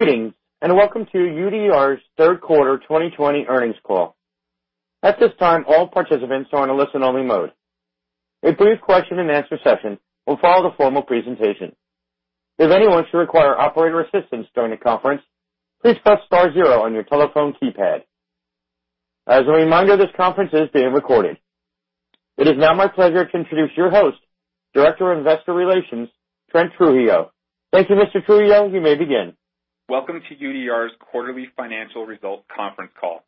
Greetings, and welcome to UDR's Third Quarter 2020 Earnings Call. At this time all participants are in a listen only mode. UDR's question-and-answer session will follow the formal presentation. If anyone should require operator's assistance during the conference please press star zero on your telephone keypad. As a reminder, this conference is being recorded. It is now my pleasure to introduce your host, Director of Investor Relations, Trent Trujillo. Thank you, Mr. Trujillo. You may begin. Welcome to UDR's quarterly financial results conference call.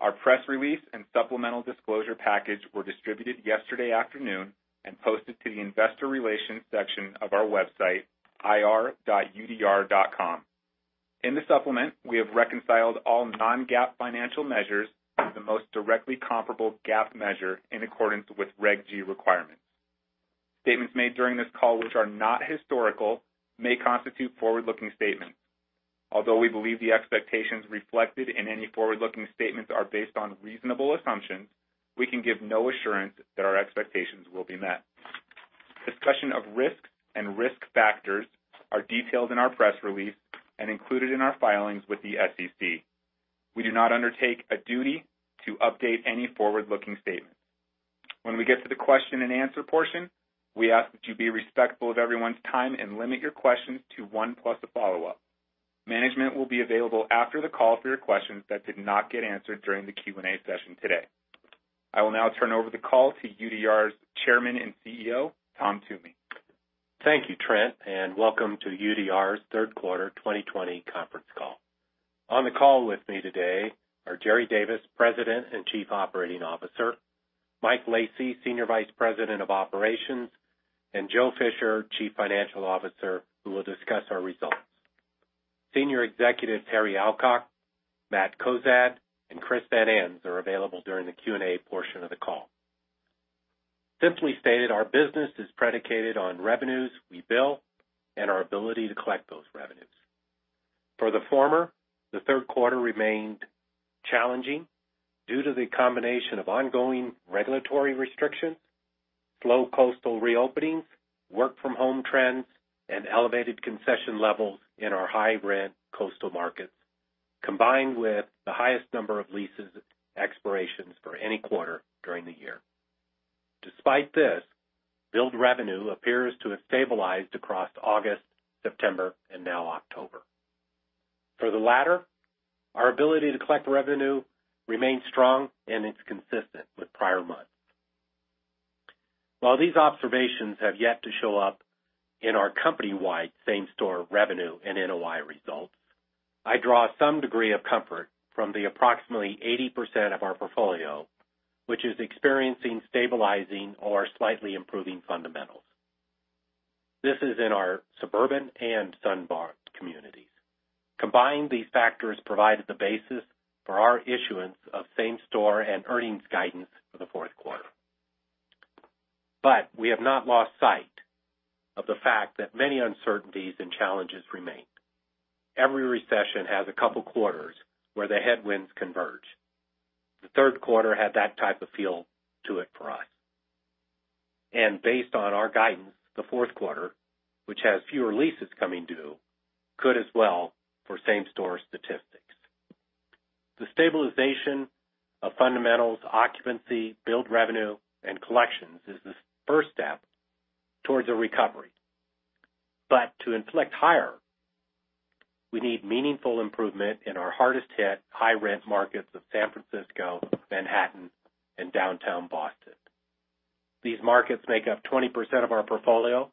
Our press release and supplemental disclosure package were distributed yesterday afternoon and posted to the Investor Relations section of our website, ir.udr.com. In the supplement, we have reconciled all non-GAAP financial measures to the most directly comparable GAAP measure in accordance with Reg G requirements. Statements made during this call which are not historical may constitute forward-looking statements. Although we believe the expectations reflected in any forward-looking statements are based on reasonable assumptions, we can give no assurance that our expectations will be met. Discussion of risks and risk factors are detailed in our press release and included in our filings with the SEC. We do not undertake a duty to update any forward-looking statements. When we get to the question-and-answer portion, we ask that you be respectful of everyone's time and limit your questions to one plus a follow-up. Management will be available after the call for your questions that did not get answered during the Q&A session today. I will now turn over the call to UDR's Chairman and CEO, Tom Toomey. Thank you, Trent, and welcome to UDR's third quarter 2020 conference call. On the call with me today are Jerry Davis, President and Chief Operating Officer, Mike Lacy, Senior Vice President of Operations, and Joe Fisher, Chief Financial Officer, who will discuss our results. Senior Executives Harry Alcock, Matt Cozad, and Chris Van Ens are available during the Q&A portion of the call. Simply stated, our business is predicated on revenues we bill and our ability to collect those revenues. For the former, the third quarter remained challenging due to the combination of ongoing regulatory restrictions, slow coastal reopenings, work-from-home trends, and elevated concession levels in our high-rent coastal markets, combined with the highest number of leases expirations for any quarter during the year. Despite this, billed revenue appears to have stabilized across August, September, and now October. For the latter, our ability to collect revenue remains strong, and it's consistent with prior months. While these observations have yet to show up in our company-wide same-store revenue and NOI results, I draw some degree of comfort from the approximately 80% of our portfolio which is experiencing stabilizing or slightly improving fundamentals. This is in our suburban and Sunbelt communities. Combined, these factors provided the basis for our issuance of same-store and earnings guidance for the fourth quarter. We have not lost sight of the fact that many uncertainties and challenges remain. Every recession has a couple quarters where the headwinds converge. The third quarter had that type of feel to it for us. Based on our guidance, the fourth quarter, which has fewer leases coming due, could as well for same-store statistics. The stabilization of fundamentals, occupancy, billed revenue, and collections is the first step towards a recovery. To inflect higher, we need meaningful improvement in our hardest hit high-rent markets of San Francisco, Manhattan, and downtown Boston. These markets make up 20% of our portfolio,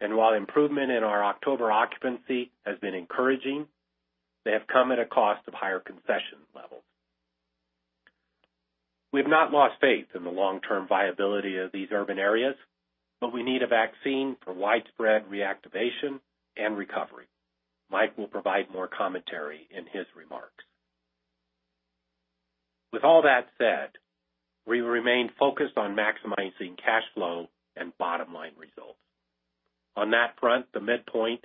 and while improvement in our October occupancy has been encouraging, they have come at a cost of higher concession levels. We have not lost faith in the long-term viability of these urban areas, but we need a vaccine for widespread reactivation and recovery. Mike will provide more commentary in his remarks. With all that said, we remain focused on maximizing cash flow and bottom-line results. On that front, the midpoint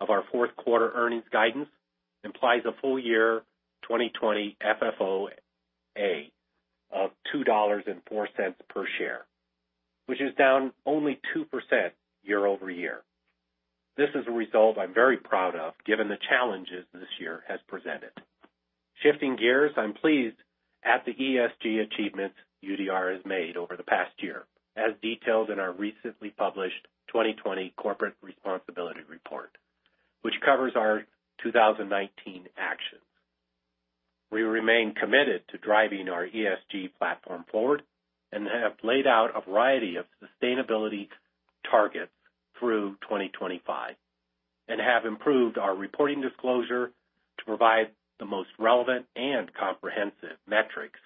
of our fourth quarter earnings guidance implies a full year 2020 FFOA of $2.04 per share, which is down only 2% year-over-year. This is a result I'm very proud of given the challenges this year has presented. Shifting gears, I'm pleased at the ESG achievements UDR has made over the past year, as detailed in our recently published 2020 Corporate Responsibility Report, which covers our 2019 actions. We remain committed to driving our ESG platform forward and have laid out a variety of sustainability targets through 2025 and have improved our reporting disclosure to provide the most relevant and comprehensive metrics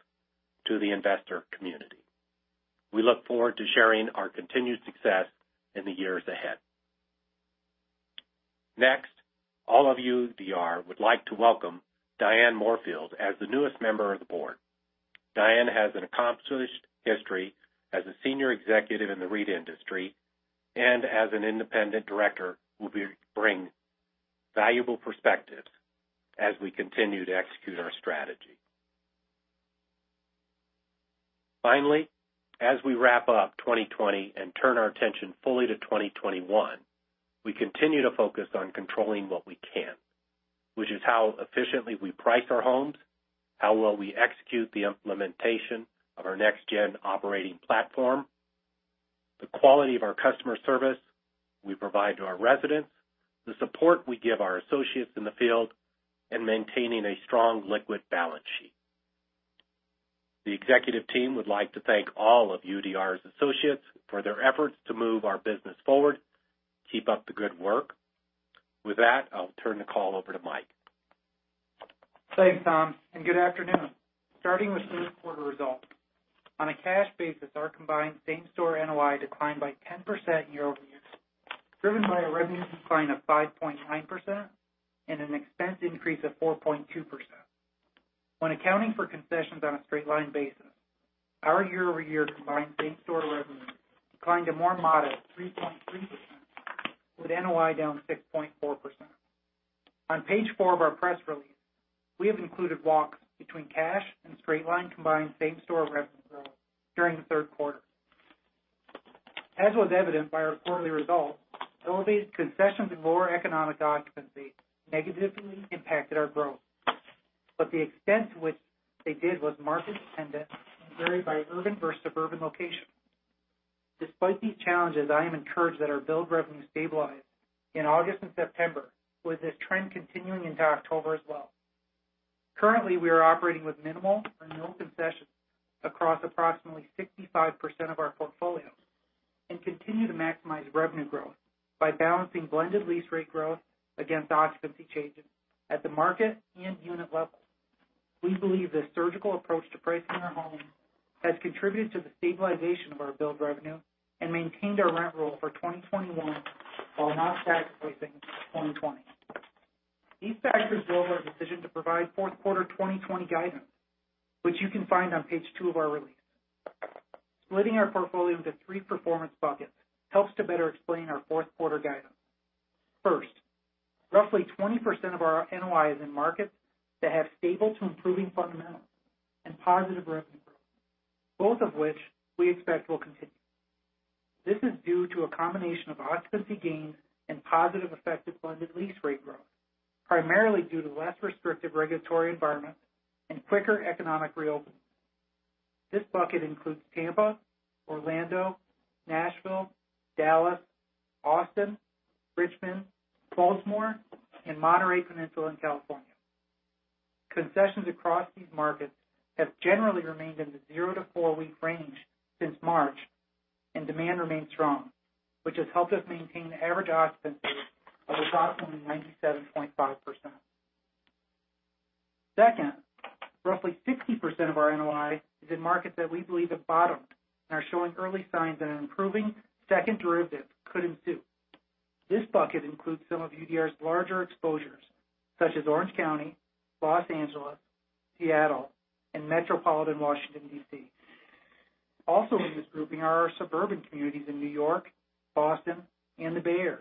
to the investor community. We look forward to sharing our continued success in the years ahead. Next, all of UDR would like to welcome Diane Morefield as the newest member of the Board. Diane has an accomplished history as a senior executive in the REIT industry and as an Independent Director will bring valuable perspectives as we continue to execute our strategy. Finally, as we wrap up 2020 and turn our attention fully to 2021, we continue to focus on controlling what we can, which is how efficiently we price our homes, how well we execute the implementation of our Next Gen Operating Platform, the quality of our customer service we provide to our residents, the support we give our associates in the field, and maintaining a strong liquid balance sheet. The executive team would like to thank all of UDR's associates for their efforts to move our business forward. Keep up the good work. With that, I'll turn the call over to Mike. Thanks, Tom, and good afternoon. Starting with third quarter results. On a cash basis, our combined same-store NOI declined by 10% year-over-year, driven by a revenue decline of 5.9% and an expense increase of 4.2%. When accounting for concessions on a straight line basis, our year-over-year combined same-store revenue declined a more modest 3.3%, with NOI down 6.4%. On page four of our press release, we have included walks between cash and straight-line combined same-store revenue growth during the third quarter. As was evidenced by our quarterly results, elevated concessions and lower economic occupancy negatively impacted our growth, but the extent to which they did was market dependent and varied by urban versus suburban location. Despite these challenges, I am encouraged that our billed revenue stabilized in August and September, with this trend continuing into October as well. Currently, we are operating with minimal or no concessions across approximately 65% of our portfolios and continue to maximize revenue growth by balancing blended lease rate growth against occupancy changes at the market and unit level. We believe this surgical approach to pricing our homes has contributed to the stabilization of our billed revenue and maintained our rent roll for 2021 while not sacrificing 2020. These factors drove our decision to provide fourth quarter 2020 guidance, which you can find on page two of our release. Splitting our portfolio into three performance buckets helps to better explain our fourth quarter guidance. First, roughly 20% of our NOI is in markets that have stable to improving fundamentals and positive revenue growth, both of which we expect will continue. This is due to a combination of occupancy gains and positive effect of blended lease rate growth, primarily due to less restrictive regulatory environments and quicker economic reopenings. This bucket includes Tampa, Orlando, Nashville, Dallas, Austin, Richmond, Baltimore, and Monterey Peninsula in California. Concessions across these markets have generally remained in the zero to four-week range since March, and demand remains strong, which has helped us maintain average occupancies of approximately 97.5%. Second, roughly 60% of our NOI is in markets that we believe have bottomed and are showing early signs that an improving second derivative could ensue. This bucket includes some of UDR's larger exposures, such as Orange County, Los Angeles, Seattle, and metropolitan Washington, D.C. Also in this grouping are our suburban communities in New York, Boston, and the Bay Area.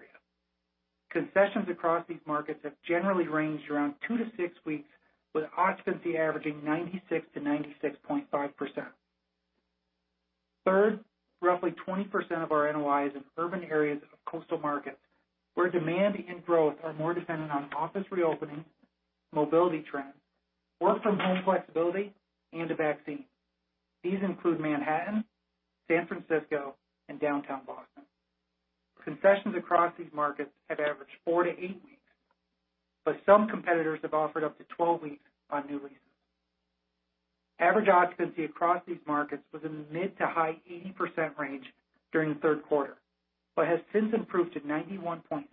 Concessions across these markets have generally ranged around two to six weeks, with occupancy averaging 96%-96.5%. Third, roughly 20% of our NOI is in urban areas of coastal markets where demand and growth are more dependent on office reopenings, mobility trends, work-from-home flexibility, and a vaccine. These include Manhattan, San Francisco, and downtown Boston. Concessions across these markets have averaged four to eight weeks, but some competitors have offered up to 12 weeks on new leases. Average occupancy across these markets was in the mid-to-high 80% range during the third quarter, but has since improved to 91.6%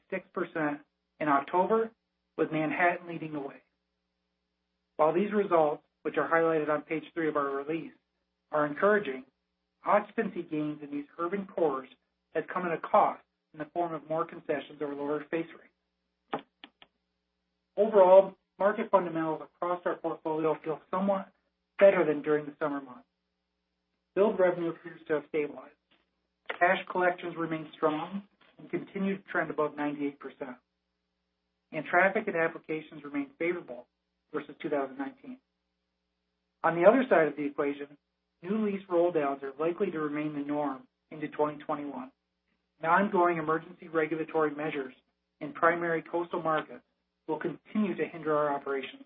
in October, with Manhattan leading the way. These results, which are highlighted on page three of our release, are encouraging, occupancy gains in these urban cores have come at a cost in the form of more concessions or lower base rates. Overall, market fundamentals across our portfolio feel somewhat better than during the summer months. Billed revenue appears to have stabilized. Cash collections remain strong and continue to trend above 98%, and traffic and applications remain favorable versus 2019. On the other side of the equation, new lease rolldowns are likely to remain the norm into 2021. Ongoing emergency regulatory measures in primary coastal markets will continue to hinder our operations.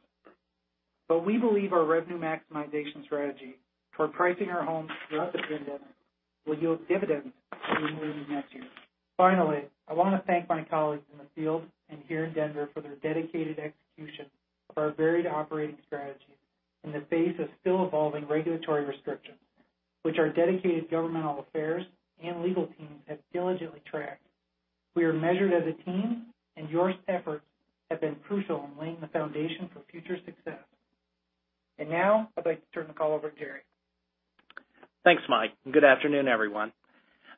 We believe our revenue maximization strategy toward pricing our homes throughout this pandemic will yield dividends as we move into next year. Finally, I want to thank my colleagues in the field and here in Denver for their dedicated execution of our varied operating strategies in the face of still evolving regulatory restrictions, which our dedicated governmental affairs and legal teams have diligently tracked. We are measured as a team, and your efforts have been crucial in laying the foundation for future success. Now, I'd like to turn the call over to Jerry. Thanks, Mike, good afternoon, everyone.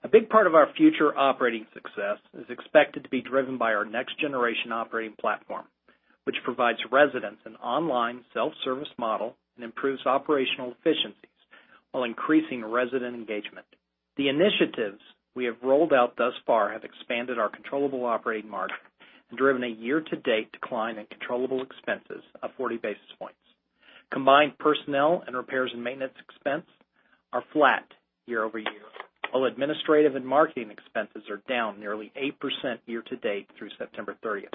A big part of our future operating success is expected to be driven by our Next Generation Operating Platform, which provides residents an online self-service model and improves operational efficiencies while increasing resident engagement. The initiatives we have rolled out thus far have expanded our controllable operating margin and driven a year-to-date decline in controllable expenses of 40 basis points. Combined personnel and repairs and maintenance expense are flat year-over-year, while administrative and marketing expenses are down nearly 8% year-to-date through September 30th.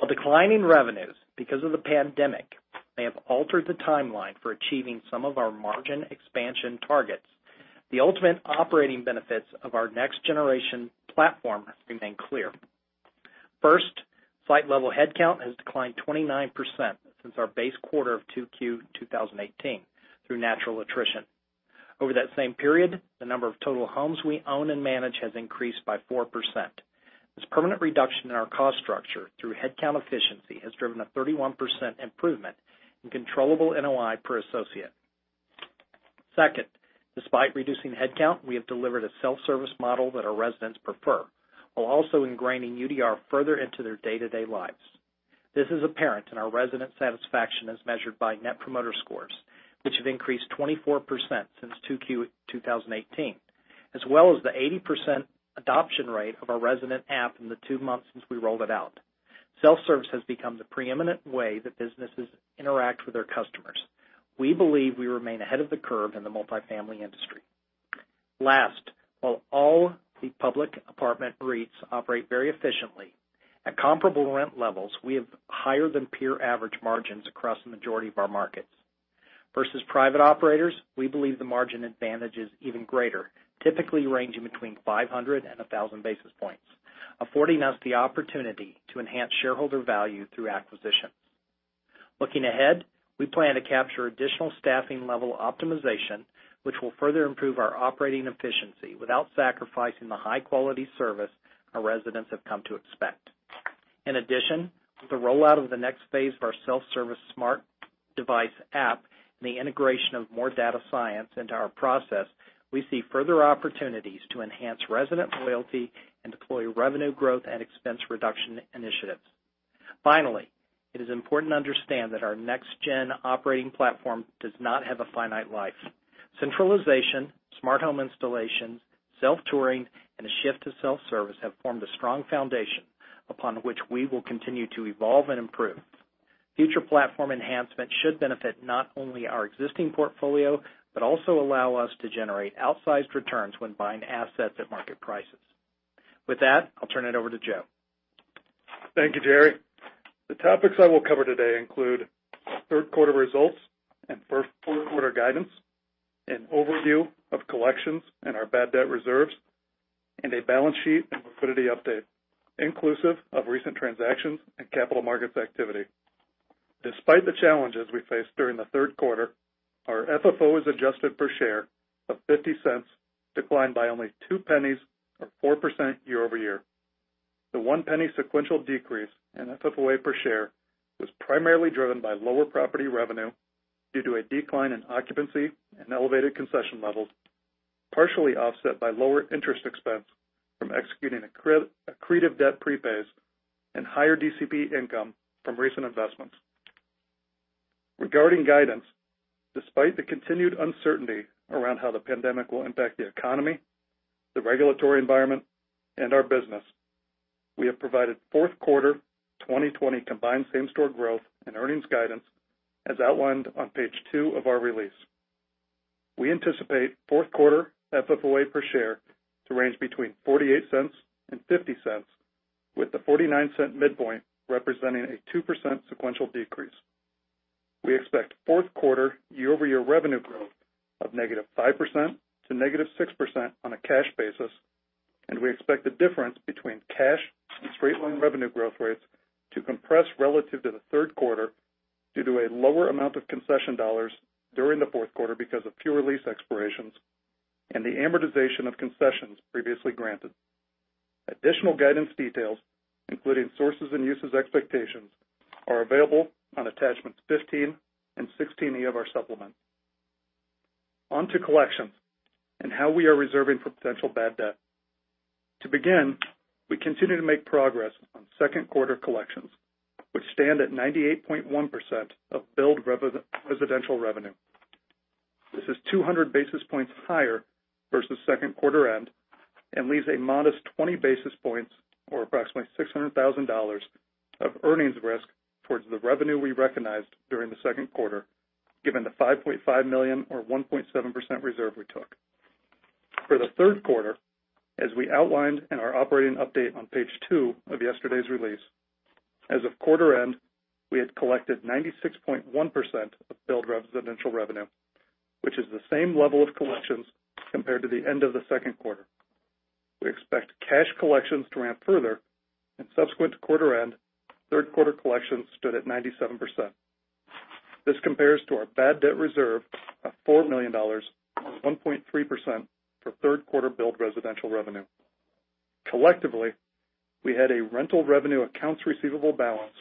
While declining revenues, because of the pandemic, may have altered the timeline for achieving some of our margin expansion targets, the ultimate operating benefits of our Next Generation Platform remain clear. First, site level headcount has declined 29% since our base quarter of 2Q 2018 through natural attrition. Over that same period, the number of total homes we own and manage has increased by 4%. This permanent reduction in our cost structure through headcount efficiency has driven a 31% improvement in controllable NOI per associate. Second, despite reducing headcount, we have delivered a self-service model that our residents prefer, while also ingraining UDR further into their day-to-day lives. This is apparent in our resident satisfaction as measured by Net Promoter Scores, which have increased 24% since 2Q 2018, as well as the 80% adoption rate of our resident app in the two months since we rolled it out. Self-service has become the preeminent way that businesses interact with their customers. We believe we remain ahead of the curve in the multifamily industry. Last, while all the public apartment REITs operate very efficiently at comparable rent levels, we have higher than peer average margins across the majority of our markets. Versus private operators, we believe the margin advantage is even greater, typically ranging between 500 and 1,000 basis points, affording us the opportunity to enhance shareholder value through acquisitions. Looking ahead, we plan to capture additional staffing level optimization, which will further improve our operating efficiency without sacrificing the high-quality service our residents have come to expect. The rollout of the next phase of our self-service smart device app and the integration of more data science into our process, we see further opportunities to enhance resident loyalty and deploy revenue growth and expense reduction initiatives. It is important to understand that our Next Generation Operating Platform does not have a finite life. Centralization, smart home installations, self-touring, and a shift to self-service have formed a strong foundation upon which we will continue to evolve and improve. Future platform enhancements should benefit not only our existing portfolio, but also allow us to generate outsized returns when buying assets at market prices. With that, I'll turn it over to Joe. Thank you, Jerry. The topics I will cover today include third quarter results and fourth quarter guidance, an overview of collections and our bad debt reserves, and a balance sheet and liquidity update, inclusive of recent transactions and capital markets activity. Despite the challenges we faced during the third quarter, our FFO as adjusted per share of $0.50, declined by only $0.02 or 4% year-over-year. The $0.01 sequential decrease in FFOA per share was primarily driven by lower property revenue due to a decline in occupancy and elevated concession levels, partially offset by lower interest expense from executing accretive debt prepays and higher DCP income from recent investments. Regarding guidance, despite the continued uncertainty around how the pandemic will impact the economy, the regulatory environment, and our business, we have provided fourth quarter 2020 combined same-store growth and earnings guidance as outlined on page two of our release. We anticipate fourth quarter FFOA per share to range between $0.48 and $0.50, with the $0.49 midpoint representing a 2% sequential decrease. We expect fourth quarter year-over-year revenue growth of -5% to -6% on a cash basis. We expect the difference between cash and straight-line revenue growth rates to compress relative to the third quarter due to a lower amount of concession dollars during the fourth quarter because of fewer lease expirations and the amortization of concessions previously granted. Additional guidance details, including sources and uses expectations, are available on attachments 15 and 16E of our supplement. On to collections and how we are reserving for potential bad debt. To begin, we continue to make progress on second quarter collections, which stand at 98.1% of billed residential revenue. This is 200 basis points higher versus second quarter end and leaves a modest 20 basis points or approximately $600,000 of earnings risk towards the revenue we recognized during the second quarter, given the $5.5 million or 1.7% reserve we took. For the third quarter, as we outlined in our operating update on page two of yesterday's release, as of quarter end, we had collected 96.1% of billed residential revenue, which is the same level of collections compared to the end of the second quarter. We expect cash collections to ramp further. Subsequent to quarter end, third quarter collections stood at 97%. This compares to our bad debt reserve of $4 million or 1.3% for third quarter billed residential revenue. Collectively, we had a rental revenue accounts receivable balance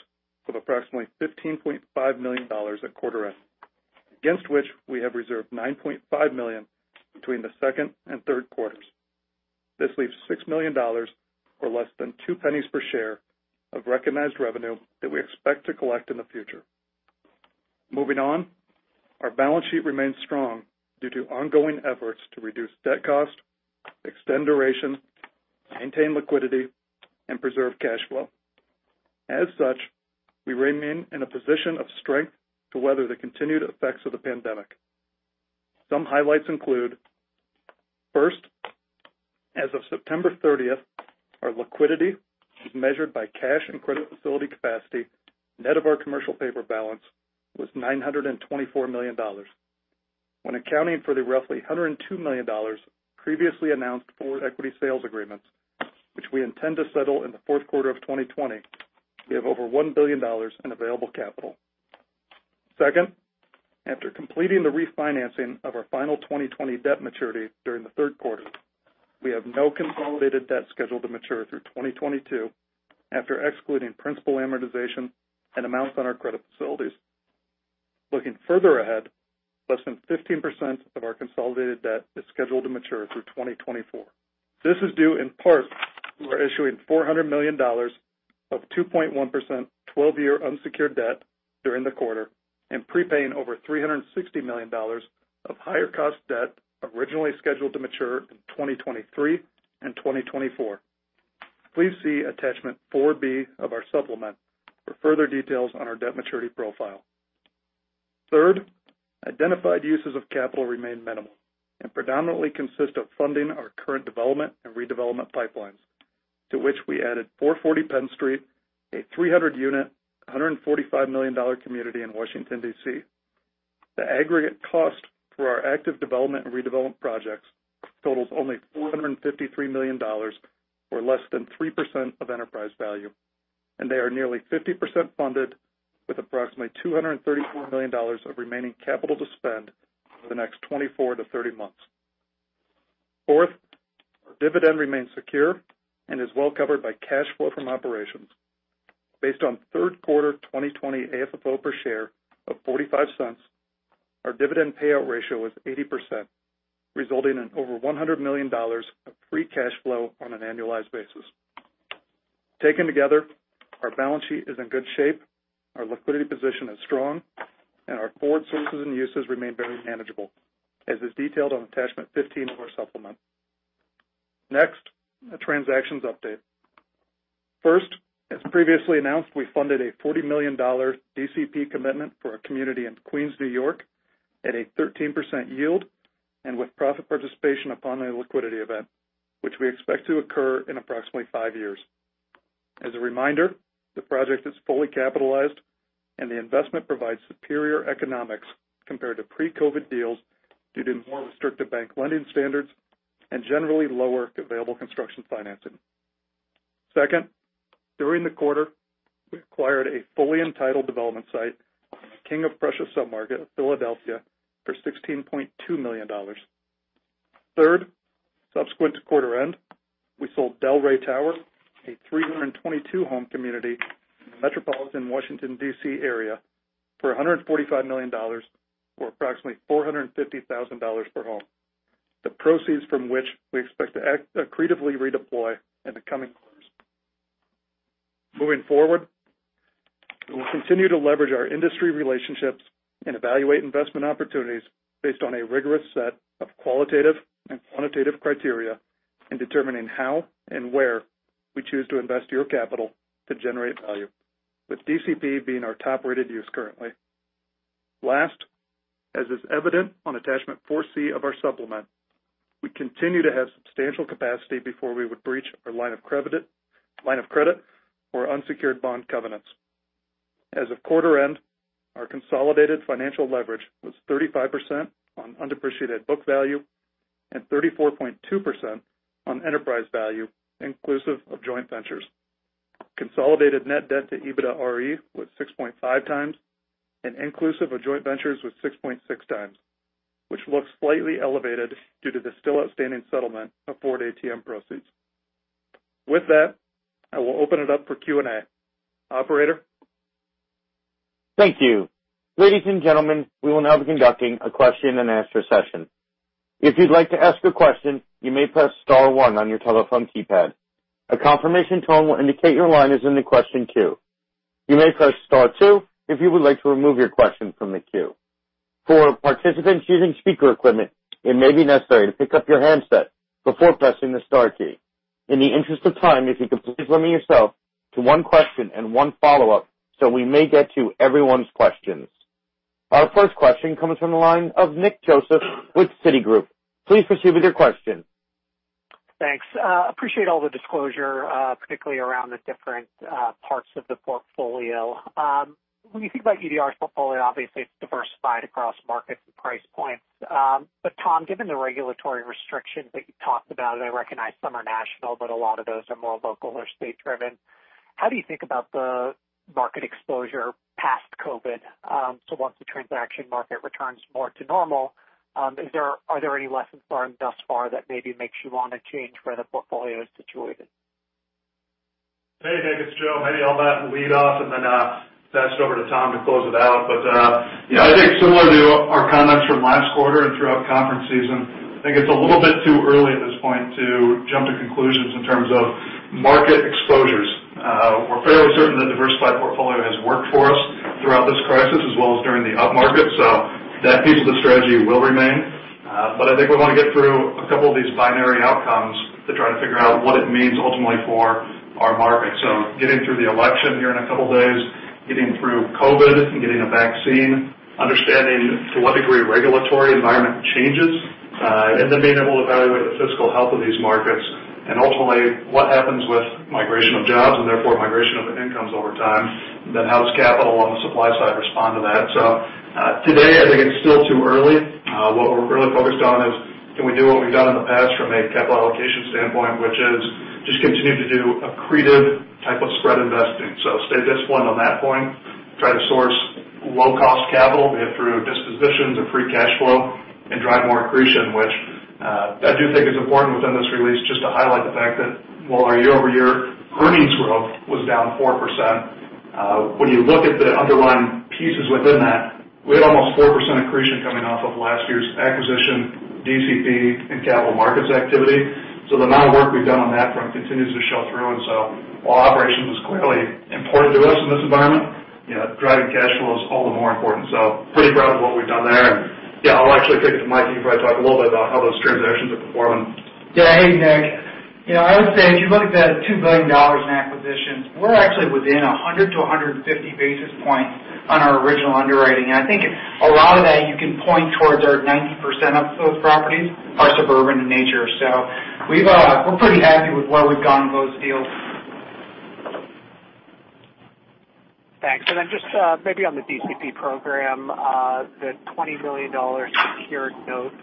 of approximately $15.5 million at quarter end, against which we have reserved $9.5 million between the second and third quarters. This leaves $6 million or less than $0.02 per share of recognized revenue that we expect to collect in the future. Moving on, our balance sheet remains strong due to ongoing efforts to reduce debt cost, extend duration, maintain liquidity, and preserve cash flow. As such, we remain in a position of strength to weather the continued effects of the pandemic. Some highlights include, first, as of September 30th, our liquidity as measured by cash and credit facility capacity, net of our commercial paper balance, was $924 million. When accounting for the roughly $102 million previously announced forward equity sales agreements, which we intend to settle in the fourth quarter of 2020, we have over $1 billion in available capital. Second, after completing the refinancing of our final 2020 debt maturity during the third quarter, we have no consolidated debt scheduled to mature through 2022 after excluding principal amortization and amounts on our credit facilities. Looking further ahead, less than 15% of our consolidated debt is scheduled to mature through 2024. This is due in part to our issuing $400 million of 2.1% 12-year unsecured debt during the quarter and prepaying over $360 million of higher cost debt originally scheduled to mature in 2023 and 2024. Please see attachment 4B of our supplement for further details on our debt maturity profile. Third, identified uses of capital remain minimal and predominantly consist of funding our current development and redevelopment pipelines. To which we added 440 Penn Street, a 300-unit, $145 million community in Washington, D.C. The aggregate cost for our active development and redevelopment projects totals only $453 million or less than 3% of enterprise value, and they are nearly 50% funded with approximately $234 million of remaining capital to spend over the next 24-30 months. Fourth, our dividend remains secure and is well covered by cash flow from operations. Based on third quarter 2020 AFFO per share of $0.45, our dividend payout ratio was 80%, resulting in over $100 million of free cash flow on an annualized basis. Taken together, our balance sheet is in good shape, our liquidity position is strong, and our forward sources and uses remain very manageable as is detailed on attachment 15 of our supplement. Next, a transactions update. First, as previously announced, we funded a $40 million DCP commitment for a community in Queens, New York, at a 13% yield and with profit participation upon a liquidity event, which we expect to occur in approximately five years. As a reminder, the project is fully capitalized, and the investment provides superior economics compared to pre-COVID deals due to more restrictive bank lending standards and generally lower available construction financing. Second, during the quarter, we acquired a fully entitled development site in the King of Prussia submarket of Philadelphia for $16.2 million. Third, subsequent to quarter end, we sold Del Ray Tower, a 322-home community in the metropolitan Washington, D.C., area for $145 million or approximately $450,000 per home. The proceeds from which we expect to accretively redeploy in the coming quarters. Moving forward, we'll continue to leverage our industry relationships and evaluate investment opportunities based on a rigorous set of qualitative and quantitative criteria in determining how and where we choose to invest your capital to generate value. With DCP being our top-rated use currently. Last, as is evident on attachment 4C of our supplement, we continue to have substantial capacity before we would breach our line of credit or unsecured bond covenants. As of quarter end, our consolidated financial leverage was 35% on undepreciated book value and 34.2% on enterprise value, inclusive of joint ventures. Consolidated net debt to EBITDAre was 6.5x and inclusive of joint ventures was 6.6x, which looks slightly elevated due to the still outstanding settlement of forward ATM proceeds. With that, I will open it up for Q&A. Operator? Thank you. Ladies and gentlemen, we will now be conducting a question-and-answer session. If you would like to ask a question you may press star one on your telephone keypad. A confirmation tone will indicate your line is in the question queue. You may press star two if you would like to remove your question from the queue. For participants using speaker equipment it may be necessary to pick up your handset before pressing the star key. In the interest of time, if you could please limit yourself to one question and one follow-up so we may get to everyone's questions. Our first question comes from the line of Nick Joseph with Citigroup. Please proceed with your question. Thanks. Appreciate all the disclosure, particularly around the different parts of the portfolio. When you think about UDR's portfolio, obviously it's diversified across markets and price points. Tom, given the regulatory restrictions that you talked about, and I recognize some are national, but a lot of those are more local or state driven, how do you think about the market exposure past COVID? Once the transaction market returns more to normal, are there any lessons learned thus far that maybe makes you want to change where the portfolio is situated? Hey, Nick, it's Joe. Maybe I'll lead off and then pass it over to Tom to close it out. I think similar to our comments from last quarter and throughout conference season, I think it's a little bit too early at this point to jump to conclusions in terms of market exposures. We're fairly certain the diversified portfolio has worked for us throughout this crisis as well as during the up market. That piece of the strategy will remain. I think we want to get through a couple of these binary outcomes to try to figure out what it means ultimately for our market. Getting through the election here in a couple of days, getting through COVID and getting a vaccine, understanding to what degree regulatory environment changes, and then being able to evaluate the fiscal health of these markets, and ultimately, what happens with migration of jobs and therefore migration of incomes over time, then how does capital on the supply side respond to that? Today, I think it's still too early. What we're really focused on is, can we do what we've done in the past from a capital allocation standpoint, which is just continue to do accretive type of spread investing. Stay disciplined on that point, try to source low-cost capital, be it through dispositions or free cash flow, and drive more accretion, which I do think is important within this release, just to highlight the fact that while our year-over-year earnings growth was down 4%, when you look at the underlying pieces within that, we had almost 4% accretion coming off of last year's acquisition, DCP, and capital markets activity. The amount of work we've done on that front continues to show through. While operations is clearly important to us in this environment, driving cash flow is all the more important. Pretty proud of what we've done there. Yeah, I'll actually take it to Mike. He can probably talk a little bit about how those transactions are performing. Yeah. Hey, Nick. I would say, if you look at the $2 billion in acquisitions, we're actually within 100-150 basis points on our original underwriting. I think a lot of that you can point towards our 90% of those properties are suburban in nature. We're pretty happy with where we've gone in those deals. Thanks. Just maybe on the DCP program, the $20 million secured note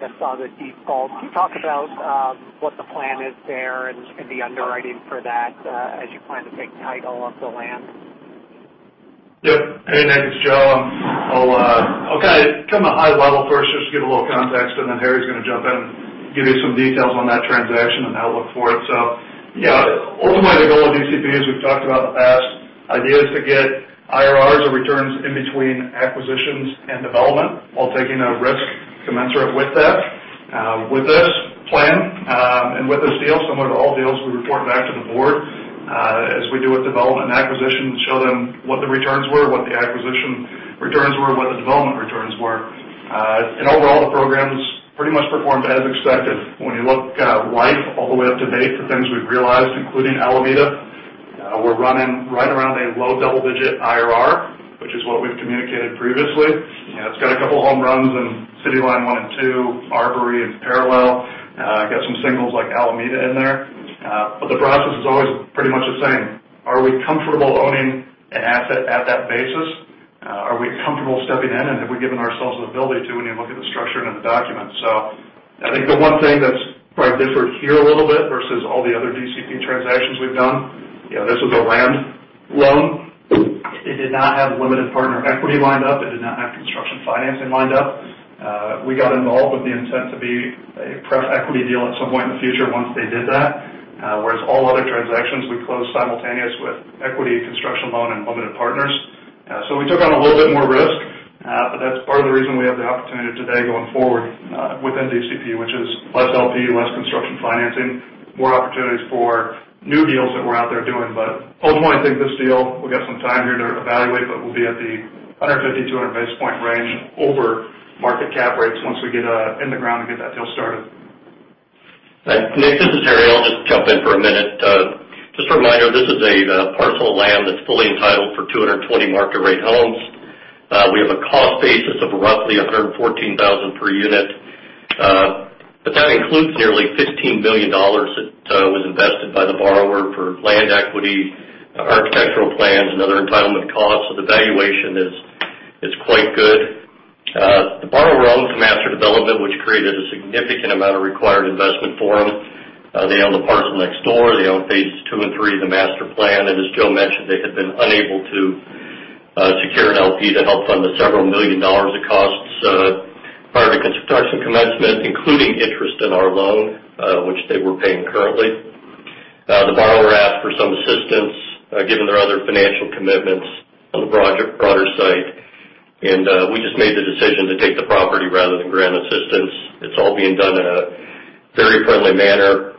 that saw the default. Can you talk about what the plan is there and the underwriting for that as you plan to take title of the land? Yes. Hey, Nick, it's Joe. I'll kind of come at high level first just to give a little context, and then Harry's going to jump in and give you some details on that transaction and the outlook for it. Yeah, ultimately, the goal of DCP, as we've talked about in the past, idea is to get IRRs or returns in between acquisitions and development while taking a risk commensurate with that. With this plan, and with this deal, similar to all deals, we report back to the board, as we do with development and acquisition, to show them what the returns were, what the acquisition returns were, what the development returns were. Overall, the program's pretty much performed as expected. When you look life all the way up to date, the things we've realized, including Alameda, we're running right around a low double-digit IRR, which is what we've communicated previously. It's got a couple of home runs in CityLine 1 and 2, The Arbory, it's Parallel. Got some singles like Alameda in there. The process is always pretty much the same. Are we comfortable owning an asset at that basis? Are we comfortable stepping in, and have we given ourselves the ability to when you look at the structure and the documents? I think the one thing that's probably different here a little bit versus all the other DCP transactions we've done, this was a land loan. It did not have limited partner equity lined up. It did not have construction financing lined up. We got involved with the intent to be a pref equity deal at some point in the future once they did that, whereas all other transactions we closed simultaneous with equity, construction loan, and limited partners. We took on a little bit more risk. That's part of the reason we have the opportunity today going forward within DCP, which is less LP, less construction financing, more opportunities for new deals that we're out there doing. Ultimately, I think this deal, we've got some time here to evaluate, but we'll be at the 150 to 200 basis point range over market cap rates once we get in the ground and get that deal started. Thanks. Nick, this is Harry. I'll just jump in for a minute. Just a reminder, this is a parcel of land that's fully entitled for 220 market-rate homes. We have a cost basis of roughly $114,000 per unit. That includes nearly $15 million that was invested by the borrower for land equity, architectural plans, and other entitlement costs. The valuation is quite good. The borrower owns the master development, which created a significant amount of required investment for them. They own the parcel next door. They own Phases 2 and 3 of the master plan. As Joe mentioned, they had been unable to secure an LP to help fund the several million dollars of costs prior to construction commencement, including interest in our loan, which they were paying currently. The borrower asked for some assistance given their other financial commitments on the broader site. We just made the decision to take the property rather than grant assistance. It's all being done in a very friendly manner.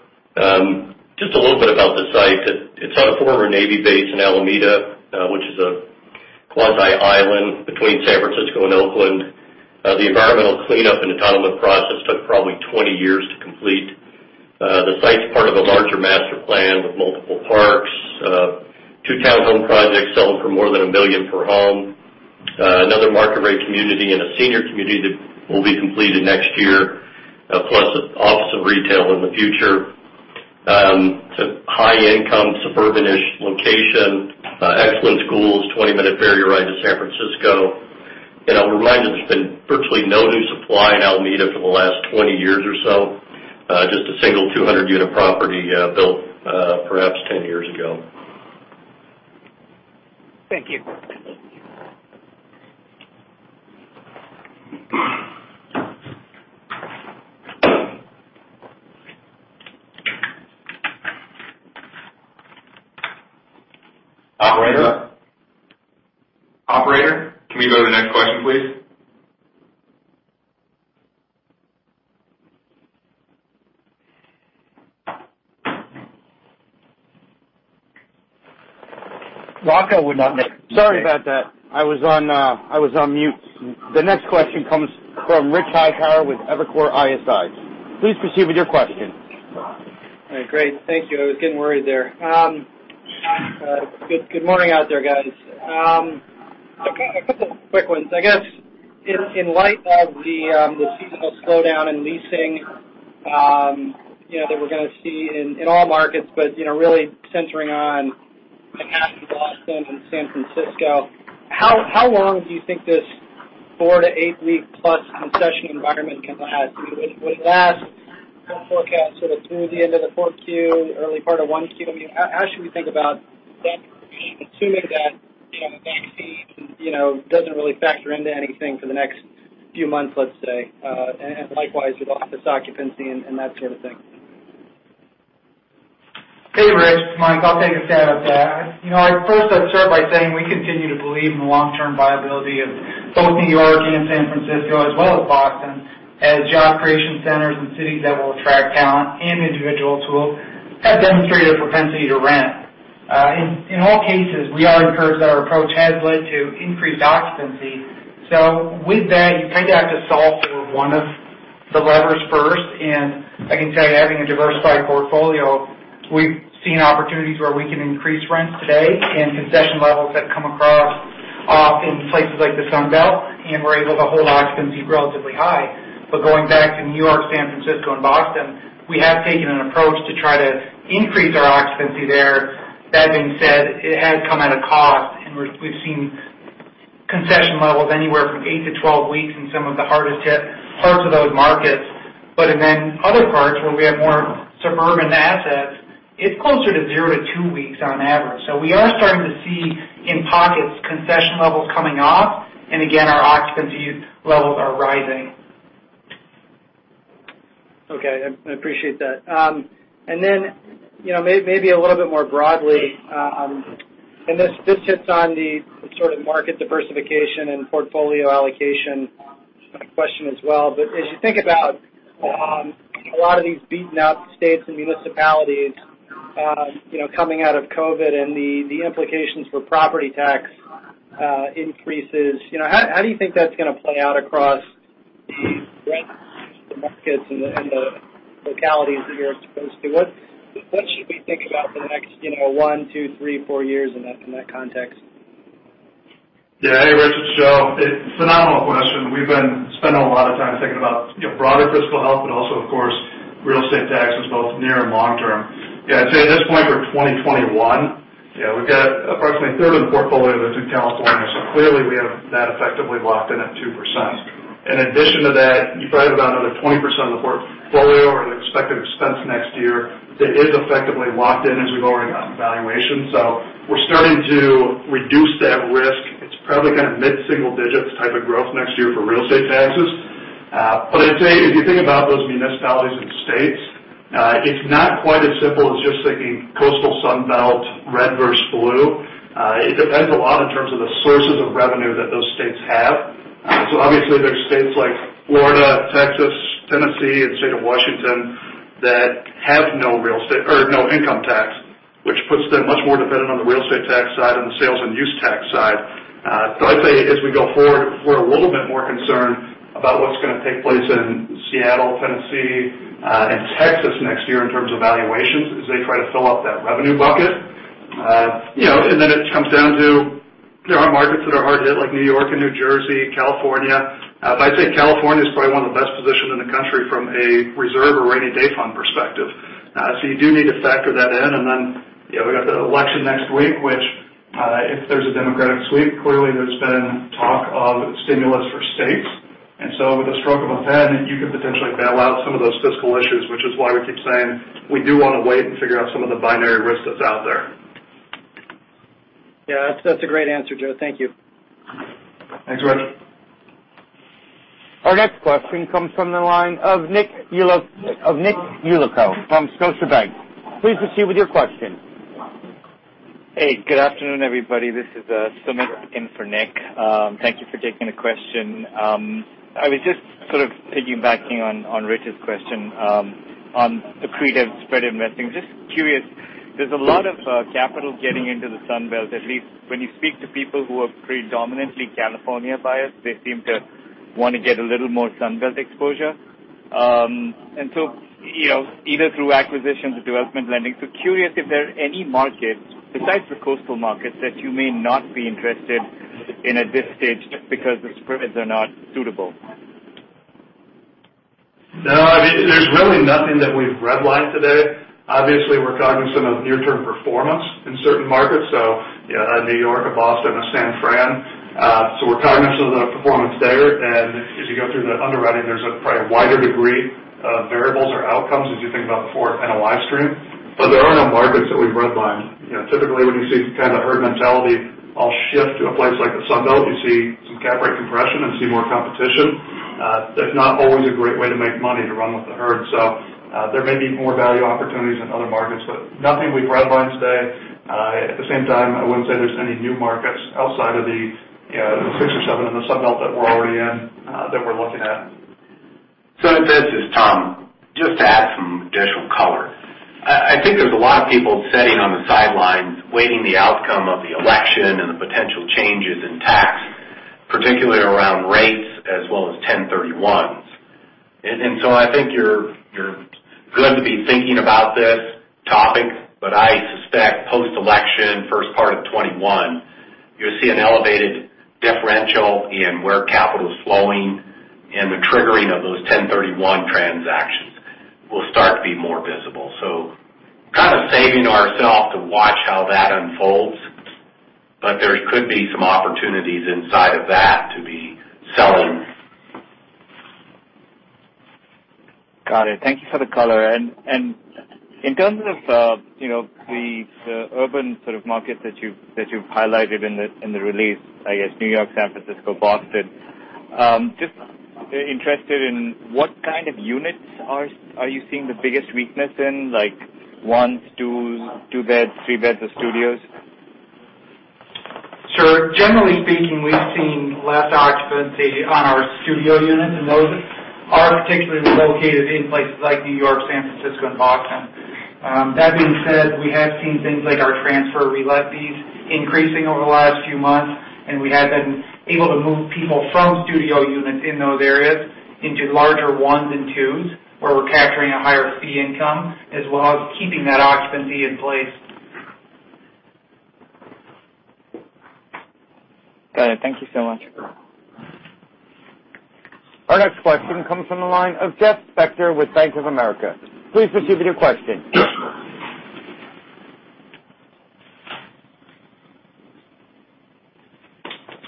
Just a little bit about the site. It's on a former Navy base in Alameda, which is a quasi-island between San Francisco and Oakland. The environmental cleanup and entitlement process took probably 20 years to complete. The site's part of a larger master plan with multiple parks, two townhome projects selling for more than $1 million per home, another market-rate community, and a senior community that will be completed next year, plus office and retail in the future. It's a high-income, suburban-ish location, excellent schools, 20-minute ferry ride to San Francisco. I'll remind you, there's been virtually no new supply in Alameda for the last 20 years or so. Just a single 200-unit property built perhaps 10 years ago. Thank you. Operator? Operator, can we go to the next question, please? Sorry about that. I was on mute. The next question comes from Rich Hightower with Evercore ISI. Please proceed with your question. Great. Thank you. I was getting worried there. Good morning out there, guys. A couple of quick ones. I guess in light of the seasonal slowdown in leasing that we're going to see in all markets, but really centering on Manhattan, Boston, and San Francisco, how long do you think this four-to-eight-week-plus concession environment can last? Would it last the forecast sort of through the end of the 4Q, early part of 1Q? How should we think about rent, assuming that the vaccine doesn't really factor into anything for the next few months, let's say, and likewise with office occupancy and that sort of thing? Hey, Rich. Mike, I'll take a stab at that. I'd start by saying we continue to believe in the long-term viability of both New York and San Francisco, as well as Boston, as job creation centers and cities that will attract talent and individuals who have demonstrated a propensity to rent. In all cases, we are encouraged that our approach has led to increased occupancy. With that, you kind of have to solve for one of the levers first. I can tell you, having a diversified portfolio, we've seen opportunities where we can increase rents today and concession levels have come across off in places like the Sunbelt, and we're able to hold occupancy relatively high. Going back to New York, San Francisco, and Boston, we have taken an approach to try to increase our occupancy there. That being said, it has come at a cost, and we've seen concession levels anywhere from eight to 12 weeks in some of the hardest hit parts of those markets. In other parts where we have more suburban assets, it's closer to zero to two weeks on average. We are starting to see, in pockets, concession levels coming off, and again, our occupancy levels are rising. Okay. I appreciate that. Maybe a little bit more broadly, this hits on the sort of market diversification and portfolio allocation question as well. As you think about a lot of these beaten-up states and municipalities coming out of COVID and the implications for property tax increases, how do you think that's going to play out across the breadth of the markets and the localities that you're exposed to? What should we think about for the next one, two, three, four years in that context? Yeah. Hey, Rich, it's Joe. Phenomenal question. We've been spending a lot of time thinking about broader fiscal health, also, of course, real estate taxes, both near and long term. Yeah, I'd say at this point for 2021, we've got approximately 1/3 of the portfolio that's in California, clearly we have that effectively locked in at 2%. In addition to that, you probably have about another 20% of the portfolio or the expected expense next year that is effectively locked in as we've already gotten valuations. We're starting to reduce that risk. It's probably kind of mid-single digits type of growth next year for real estate taxes. I'd say if you think about those municipalities and states, it's not quite as simple as just thinking coastal Sun Belt, red versus blue. It depends a lot in terms of the sources of revenue that those states have. Obviously there's states like Florida, Texas, Tennessee, and the state of Washington that have no income tax, which puts them much more dependent on the real estate tax side and the sales and use tax side. I'd say as we go forward, we're a little bit more concerned about what's going to take place in Seattle, Tennessee, and Texas next year in terms of valuations as they try to fill up that revenue bucket. It comes down to there are markets that are hard hit, like New York and New Jersey, California. I'd say California is probably one of the best positioned in the country from a reserve or rainy day fund perspective. You do need to factor that in. We've got the election next week, which, if there's a Democratic sweep, clearly there's been talk of stimulus for states. With a stroke of a pen, you could potentially bail out some of those fiscal issues, which is why we keep saying we do want to wait and figure out some of the binary risk that's out there. Yeah. That's a great answer, Joe. Thank you. Thanks, Rich. Our next question comes from the line of Nick Yulico from Scotiabank. Please proceed with your question. Good afternoon, everybody. This is Sumit in for Nick. Thank you for taking the question. I was just sort of piggybacking on Rich's question on accretive spread investing. Curious, there's a lot of capital getting into the Sunbelt. At least when you speak to people who are predominantly California buyers, they seem to want to get a little more Sunbelt exposure. Either through acquisitions or development lending, curious if there are any markets besides the coastal markets that you may not be interested in at this stage because the spreads are not suitable. No, there's really nothing that we've redlined today. Obviously, we're cognizant of near-term performance in certain markets, so New York, Boston, and San Fran. We're cognizant of the performance there. As you go through the underwriting, there's probably a wider degree of variables or outcomes as you think about the forward NOI stream. There are no markets that we've redlined. Typically, when you see kind of herd mentality all shift to a place like the Sunbelt, you see some cap rate compression and see more competition. That's not always a great way to make money to run with the herd. There may be more value opportunities in other markets, but nothing we've redlined today. At the same time, I wouldn't say there's any new markets outside of the six or seven in the Sunbelt that we're already in that we're looking at. This is Tom. Just to add some additional color. I think there's a lot of people sitting on the sidelines waiting the outcome of the election and the potential changes in tax, particularly around rates as well as 1031s. I think you're good to be thinking about this topic, but I suspect post-election, first part of 2021, you'll see an elevated differential in where capital's flowing and the triggering of those 1031 transactions will start to be more visible. Kind of saving ourself to watch how that unfolds, but there could be some opportunities inside of that to be selling. Got it. Thank you for the color. In terms of the urban sort of market that you've highlighted in the release, I guess New York, San Francisco, Boston, just interested in what kind of units are you seeing the biggest weakness in, like ones, twos, two beds, three beds, or studios? Sure. Generally speaking, we've seen less occupancy on our studio units, and those are particularly located in places like New York, San Francisco and Boston. That being said, we have seen things like our transfer relet fees increasing over the last few months, and we have been able to move people from studio units in those areas into larger ones and twos, where we're capturing a higher fee income as well as keeping that occupancy in place. Got it. Thank you so much. Our next question comes from the line of Jeff Spector with Bank of America. Please proceed with your question.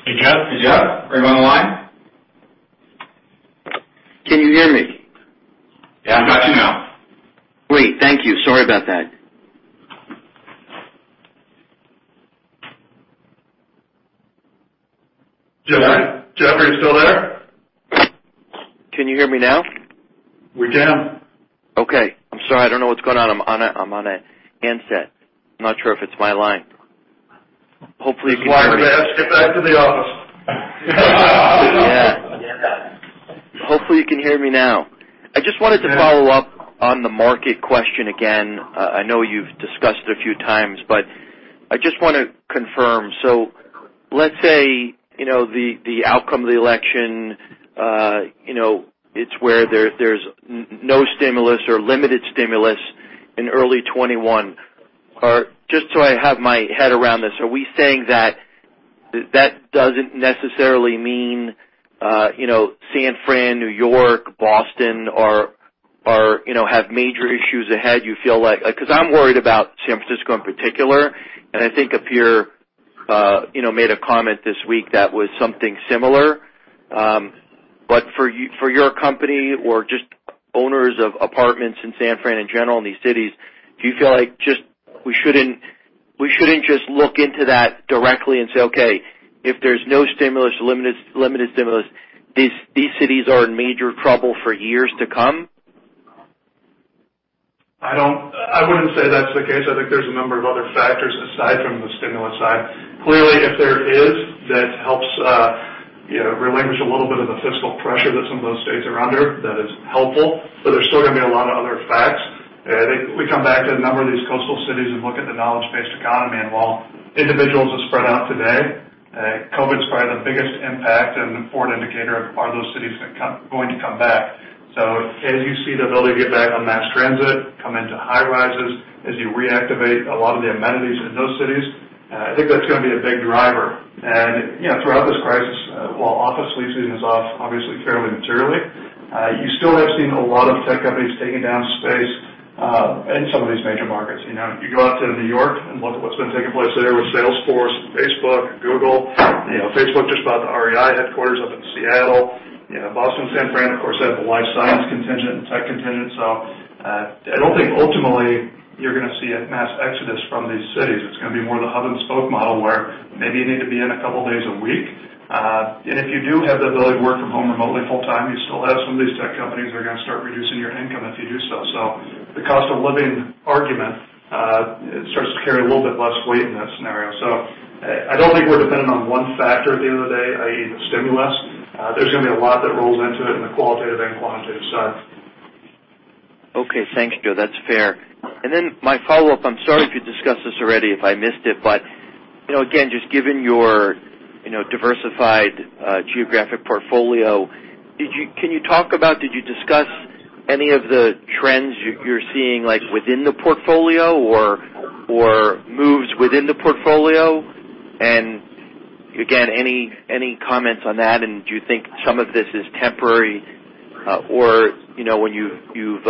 Hey, Jeff. Are you on the line? Can you hear me? Yeah, I've got you now. Great. Thank you. Sorry about that. Jeff, are you still there? Can you hear me now? We can. Okay. I'm sorry. I don't know what's going on. I'm on a handset. I'm not sure if it's my line. Hopefully you can hear me. This is why we ask you back to the office. Yeah. Hopefully you can hear me now. I just wanted to follow up on the market question again. I know you've discussed it a few times, but I just want to confirm. Let's say the outcome of the election, it's where there's no stimulus or limited stimulus in early 2021. Just so I have my head around this, are we saying that that doesn't necessarily mean San Fran, New York, Boston have major issues ahead, you feel like? I'm worried about San Francisco in particular, and I think a peer made a comment this week that was something similar. For your company or just owners of apartments in San Fran in general, in these cities, do you feel like we shouldn't just look into that directly and say, okay, if there's no stimulus or limited stimulus, these cities are in major trouble for years to come? I wouldn't say that's the case. I think there's a number of other factors aside from the stimulus side. Clearly, if there is, that helps relinquish a little bit of the fiscal pressure that some of those states are under. That is helpful. There's still going to be a lot of other facts. I think if we come back to a number of these coastal cities and look at the knowledge-based economy, and while individuals are spread out today, COVID's probably the biggest impact and an important indicator of are those cities going to come back. As you see the ability to get back on mass transit, come into high rises, as you reactivate a lot of the amenities in those cities, I think that's going to be a big driver. Throughout this crisis, while office leasing is off, obviously fairly materially, you still have seen a lot of tech companies taking down space in some of these major markets. You go out to New York and look at what's been taking place there with Salesforce and Facebook and Google. Facebook just bought the REI headquarters up in Seattle. Boston, San Fran, of course, have the life science contingent and tech contingent. I don't think ultimately you're going to see a mass exodus from these cities. It's going to be more the hub and spoke model where maybe you need to be in a couple days a week. If you do have the ability to work from home remotely full-time, you still have some of these tech companies are going to start reducing your income if you do so. The cost of living argument starts to carry a little bit less weight in that scenario. I don't think we're dependent on one factor at the end of the day, i.e., the stimulus. There's going to be a lot that rolls into it in the qualitative and quantitative side. Okay. Thanks, Joe. That's fair. My follow-up, I'm sorry if you discussed this already, if I missed it, but again, just given your diversified geographic portfolio, can you talk about, did you discuss any of the trends you're seeing within the portfolio or moves within the portfolio? Again, any comments on that, and do you think some of this is temporary? Or when you've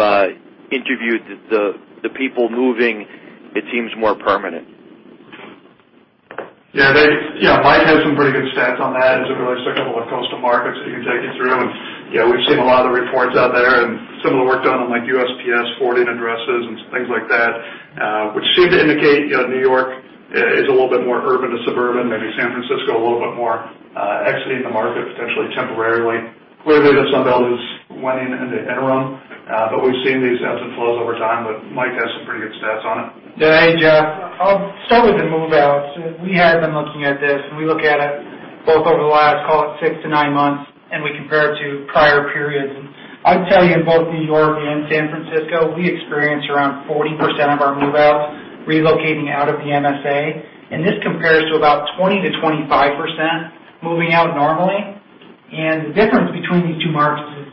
interviewed the people moving, it seems more permanent. Yeah. Mike has some pretty good stats on that as it relates to a couple of coastal markets that he can take you through. We've seen a lot of the reports out there and some of the work done on USPS forwarding addresses and things like that, which seem to indicate New York is a little bit more urban to suburban, maybe San Francisco a little bit more exiting the market potentially temporarily. Clearly, the Sunbelt is winning in the interim. We've seen these ebbs and flows over time, but Mike has some pretty good stats on it. Yeah, Jeff. I'll start with the move-outs. We have been looking at this, and we look at it both over the last, call it six to nine months, and we compare it to prior periods. I'd tell you in both New York and San Francisco, we experience around 40% of our move-outs relocating out of the MSA, and this compares to about 20%-25% moving out normally. The difference between these two markets is,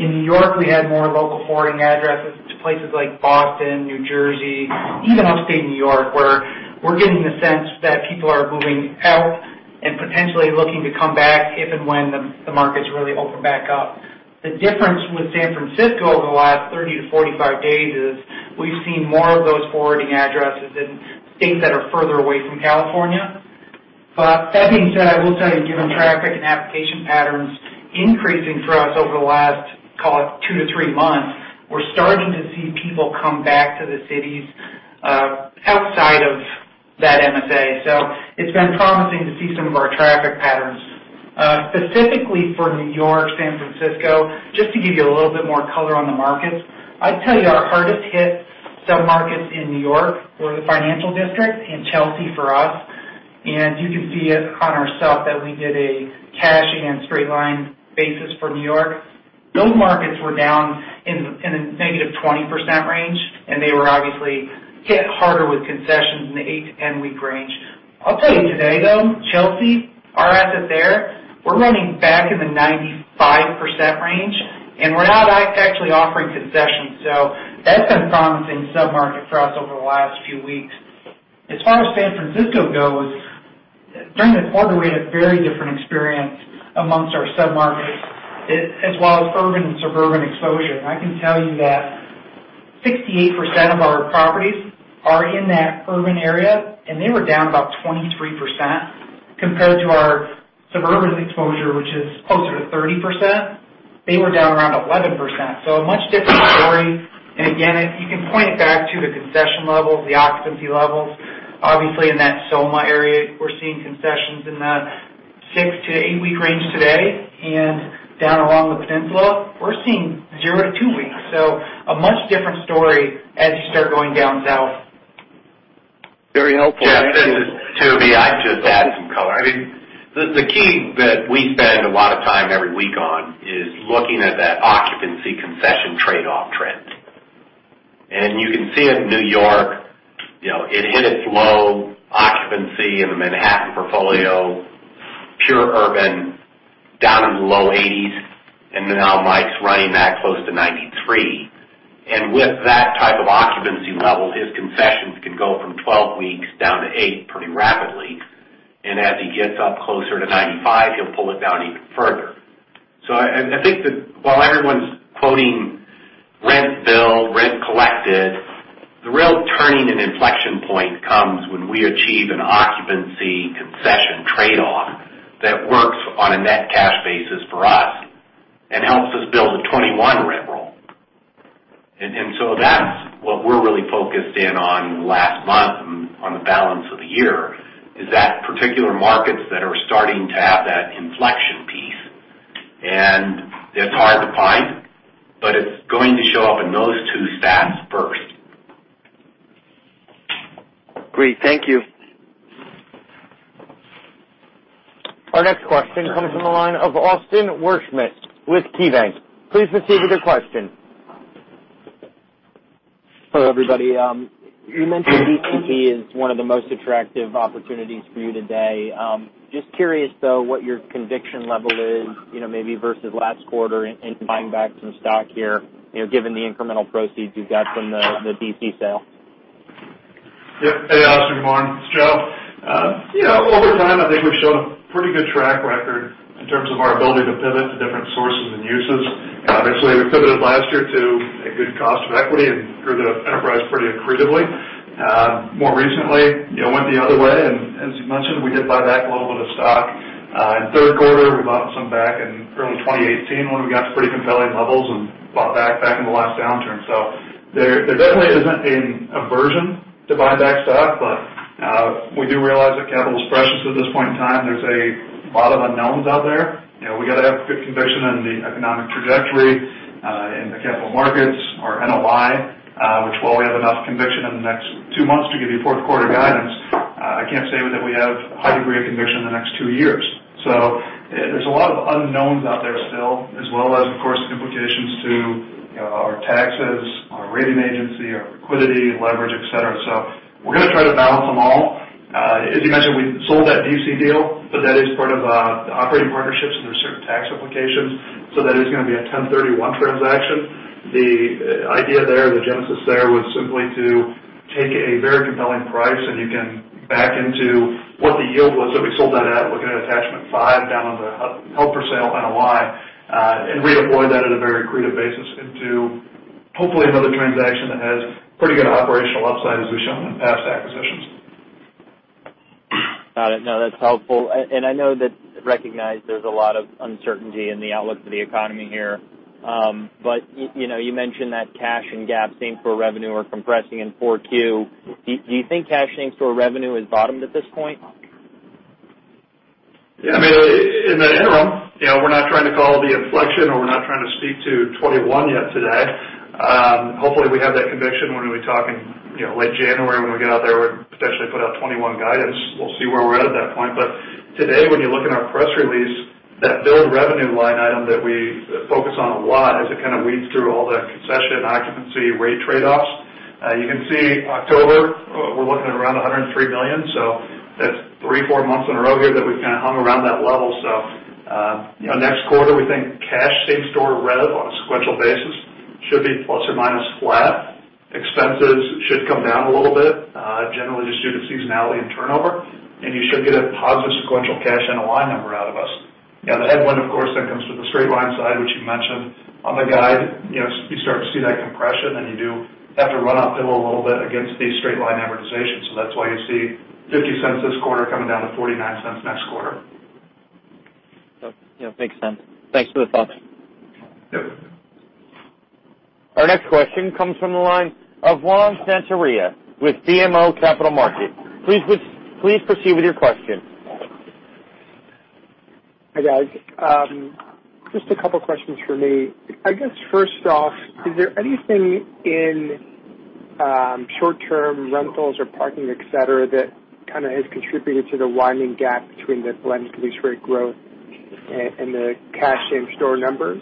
in New York, we had more local forwarding addresses to places like Boston, New Jersey, even upstate New York, where we're getting the sense that people are moving out and potentially looking to come back if and when the markets really open back up. The difference with San Francisco over the last 30-45 days is we've seen more of those forwarding addresses in states that are further away from California. That being said, I will tell you, given traffic and application patterns increasing for us over the last, call it two to three months, we're starting to see people come back to the cities outside of that MSA. So it's been promising to see some of our traffic patterns. Specifically for New York, San Francisco, just to give you a little bit more color on the markets, I'd tell you our hardest hit sub-markets in New York were the Financial District and Chelsea for us. And you can see it on our stuff that we did a cash and straight line basis for New York. Those markets were down in the -20% range, and they were obviously hit harder with concessions in the eight to 10-week range. I'll tell you today, though, Chelsea, our asset there, we're running back in the 95% range, and we're not actually offering concessions. That's been a promising sub-market for us over the last few weeks. As far as San Francisco goes, during the quarter, we had a very different experience amongst our sub-markets, as well as urban and suburban exposure. I can tell you that 68% of our properties are in that urban area, and they were down about 23% compared to our suburban exposure, which is closer to 30%. They were down around 11%. A much different story. Again, you can point it back to the concession levels, the occupancy levels. Obviously, in that SoMa area, we're seeing concessions in the six to eight-week range today. Down along the peninsula, we're seeing zero to two weeks. A much different story as you start going down south. Very helpful. Yeah. This is Toomey. I'd just add some color. I mean, the key that we spend a lot of time every week on is looking at that occupancy concession trade-off trend. You can see it in New York. It hit its low occupancy in the Manhattan portfolio, pure urban, down in the low 80s. Now Mike's running back close to 93%. With that type of occupancy level, his concessions can go from 12 weeks down to eight pretty rapidly. As he gets up closer to 95%, he'll pull it down even further. I think that while everyone's quoting rent billed, rent collected, the real turning and inflection point comes when we achieve an occupancy concession trade-off that works on a net cash basis for us and helps us build a 21 rent roll. That's what we're really focused in on in the last month and on the balance of the year, is that particular markets that are starting to have that inflection piece. It's hard to find, but it's going to show up in those two stats first. Great. Thank you. Our next question comes from the line of Austin Wurschmidt with KeyBanc. Please proceed with your question. Hello, everybody. You mentioned DCP is one of the most attractive opportunities for you today. Just curious, though, what your conviction level is, maybe versus last quarter in buying back some stock here, given the incremental proceeds you've got from the D.C. sale. Yep. Hey, Austin, good morning. It's Joe. Over time, I think we've shown a pretty good track record in terms of our ability to pivot to different sources and uses. Obviously, we pivoted last year to a good cost of equity and grew the enterprise pretty accretively. More recently, it went the other way, and as you mentioned, we did buy back a little bit of stock in the third quarter. We bought some back in early 2018 when we got to pretty compelling levels and bought back in the last downturn. There definitely isn't an aversion to buy back stock, but we do realize that capital is precious at this point in time. There's a lot of unknowns out there. We have to have good conviction in the economic trajectory, in the capital markets, our NOI, which while we have enough conviction in the next two months to give you fourth quarter guidance, I can't say that we have a high degree of conviction in the next two years. There's a lot of unknowns out there still, as well as, of course, implications to our taxes, our rating agency, our liquidity, leverage, et cetera. We're going to try to balance them all. As you mentioned, we sold that D.C. deal, but that is part of the operating partnerships, and there's certain tax implications. That is going to be a 1031 transaction. The idea there, the genesis there, was simply to take a very compelling price, and you can back into what the yield was that we sold that at. Look at attachment five down on the held-for-sale NOI. Reemploy that at a very accretive basis into hopefully another transaction that has pretty good operational upside, as we've shown in past acquisitions. Got it. No, that's helpful. Recognize there's a lot of uncertainty in the outlook for the economy here. You mentioned that cash and GAAP same-store revenue are compressing in 4Q. Do you think cash same-store revenue has bottomed at this point? In the interim, we're not trying to call the inflection, or we're not trying to speak to 2021 yet today. Hopefully, we have that conviction when we talk in late January, when we get out there and potentially put out 2021 guidance. We'll see where we're at at that point. Today, when you look in our press release, that third revenue line item that we focus on a lot as it weaves through all the concession occupancy rate trade-offs. You can see October, we're looking at around $103 million. That's three, four months in a row here that we've kind of hung around that level. Next quarter, we think cash same-store rev on a sequential basis should be plus and minus flat. Expenses should come down a little bit, generally just due to seasonality and turnover. You should get a positive sequential cash NOI number out of us. The headwind, of course, comes from the straight line side, which you mentioned on the guide. You start to see that compression, and you do have to run uphill a little bit against the straight line amortization. That's why you see $0.50 this quarter coming down to $0.49 next quarter. Yeah. Makes sense. Thanks for the thoughts. Yes. Our next question comes from the line of Juan Sanabria with BMO Capital Markets. Please proceed with your question. Hi, guys. Just a couple questions from me. I guess first off, is there anything in short-term rentals or parking, et cetera, that kind of has contributed to the widening gap between the blended lease rate growth and the cash same-store numbers?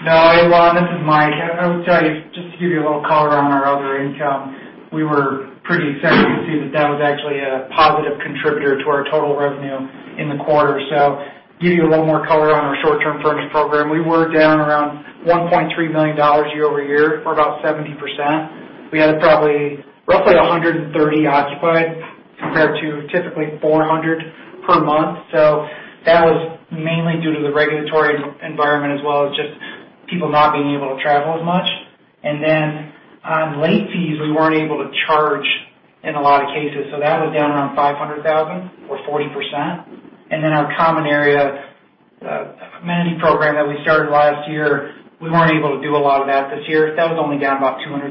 Hey, Juan, this is Mike. I would tell you, just to give you a little color on our other income, we were pretty excited to see that that was actually a positive contributor to our total revenue in the quarter. To give you a little more color on our short-term furnished program, we were down around $1.3 million year-over-year, or about 70%. We had probably roughly 130 occupied compared to typically 400 per month. That was mainly due to the regulatory environment, as well as just people not being able to travel as much. On late fees, we weren't able to charge in a lot of cases. That was down around $500,000 or 40%. Our common area amenity program that we started last year, we weren't able to do a lot of that this year. That was only down about $200,000.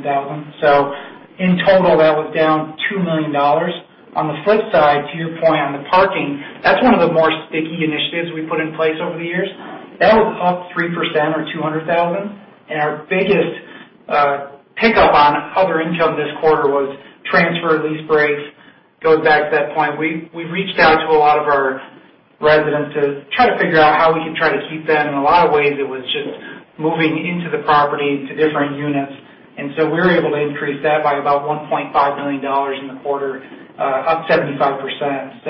In total, that was down $2 million. On the flip side, to your point on the parking, that's one of the more sticky initiatives we've put in place over the years. That was up 3% or $200,000. Our biggest pickup on other income this quarter was transfer lease breaks. Going back to that point, we've reached out to a lot of our residents to try to figure out how we can try to keep them. In a lot of ways, it was just moving into the property to different units, we were able to increase that by about $1.5 million in the quarter, up 75%.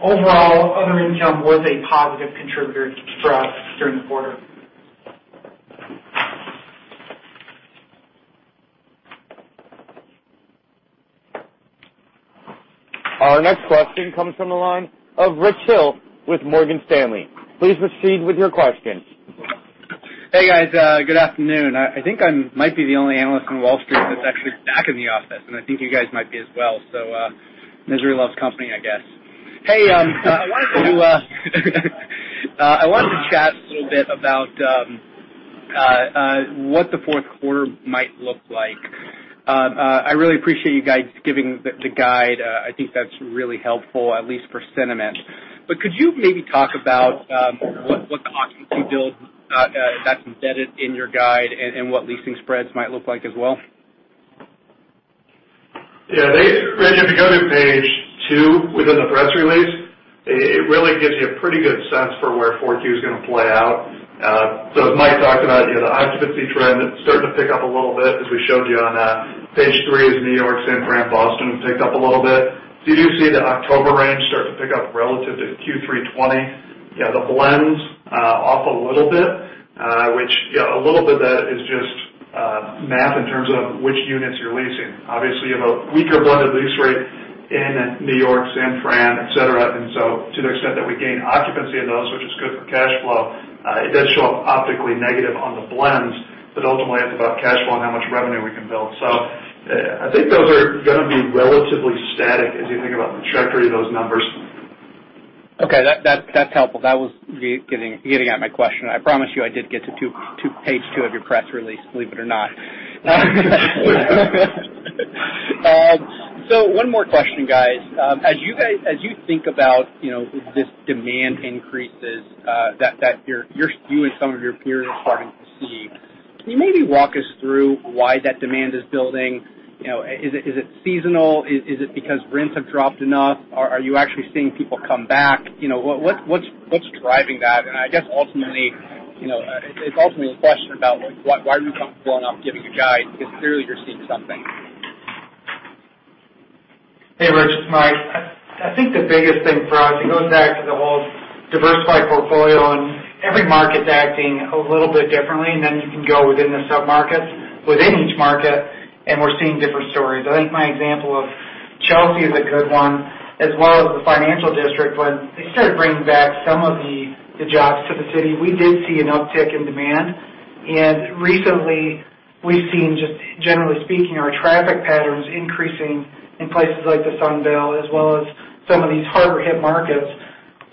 Overall, other income was a positive contributor for us during the quarter. Our next question comes from the line of Rich Hill with Morgan Stanley. Please proceed with your question. Hey, guys. Good afternoon. I think I might be the only analyst on Wall Street that's actually back in the office, and I think you guys might be as well. Misery loves company, I guess. Hey, I wanted to chat a little bit about what the fourth quarter might look like. I really appreciate you guys giving the guide. I think that's really helpful, at least for sentiment. Could you maybe talk about what the occupancy build that's embedded in your guide and what leasing spreads might look like as well? Rich, if you go to page two within the press release, it really gives you a pretty good sense for where Q4 is going to play out. As Mike talked about, the occupancy trend is starting to pick up a little bit, as we showed you on page three is New York, San Fran, Boston have picked up a little bit. You do see the October range start to pick up relative to Q3 2020. The blends off a little bit, which a little bit of that is just math in terms of which units you're leasing. Obviously, you have a weaker blended lease rate in New York, San Fran, et cetera. To the extent that we gain occupancy in those, which is good for cash flow, it does show up optically negative on the blends. Ultimately, it's about cash flow and how much revenue we can build. I think those are going to be relatively static as you think about the trajectory of those numbers. Okay. That's helpful. That was getting at my question. I promise you, I did get to page two of your press release, believe it or not. One more question, guys. As you think about this demand increases that you and some of your peers are starting to see, can you maybe walk us through why that demand is building? Is it seasonal? Is it because rents have dropped enough? Are you actually seeing people come back? What's driving that? I guess it's ultimately a question about why are you comfortable enough giving a guide, because clearly you're seeing something. Hey, Rich, it's Mike. I think the biggest thing for us, it goes back to the whole diversified portfolio, and every market's acting a little bit differently, and then you can go within the sub-markets within each market, and we're seeing different stories. I think my example of Chelsea is a good one, as well as the Financial District, when they started bringing back some of the jobs to the city. We did see an uptick in demand. Recently, we've seen, just generally speaking, our traffic patterns increasing in places like the Sunbelt as well as some of these harder-hit markets.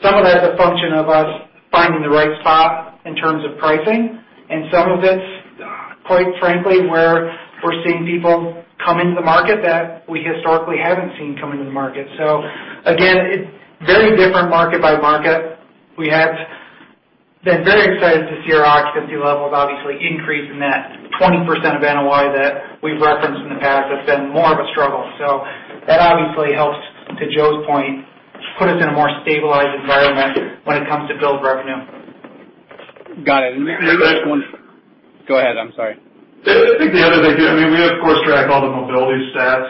Some of that is a function of us finding the right spot in terms of pricing, and some of it's quite frankly, where we're seeing people come into the market that we historically haven't seen come into the market. Again, it's very different market-by-market. We have been very excited to see our occupancy levels obviously increase in that 20% of NOI that we've referenced in the past that's been more of a struggle. That obviously helps, to Joe's point, put us in a more stabilized environment when it comes to build revenue. Got it. Go ahead. I'm sorry. I think the other thing, we of course track all the mobility stats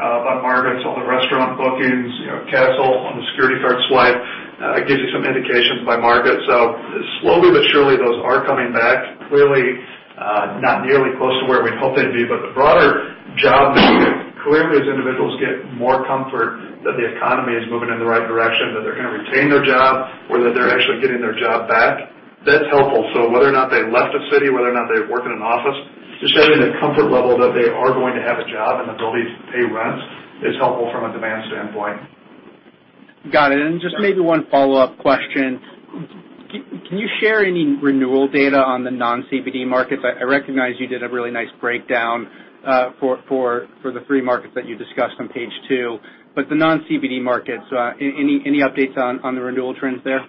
by markets, all the restaurant bookings, Kastle on the security card swipe. It gives you some indications by market. Slowly but surely, those are coming back. Clearly, not nearly close to where we'd hope they'd be. The broader job market, clearly, as individuals get more comfort that the economy is moving in the right direction, that they're going to retain their job, or that they're actually getting their job back, that's helpful. Whether or not they left a city, whether or not they work in an office, just having the comfort level that they are going to have a job and ability to pay rent is helpful from a demand standpoint. Got it. Just maybe one follow-up question. Can you share any renewal data on the non-CBD markets? I recognize you did a really nice breakdown for the three markets that you discussed on page two. The non-CBD markets, any updates on the renewal trends there?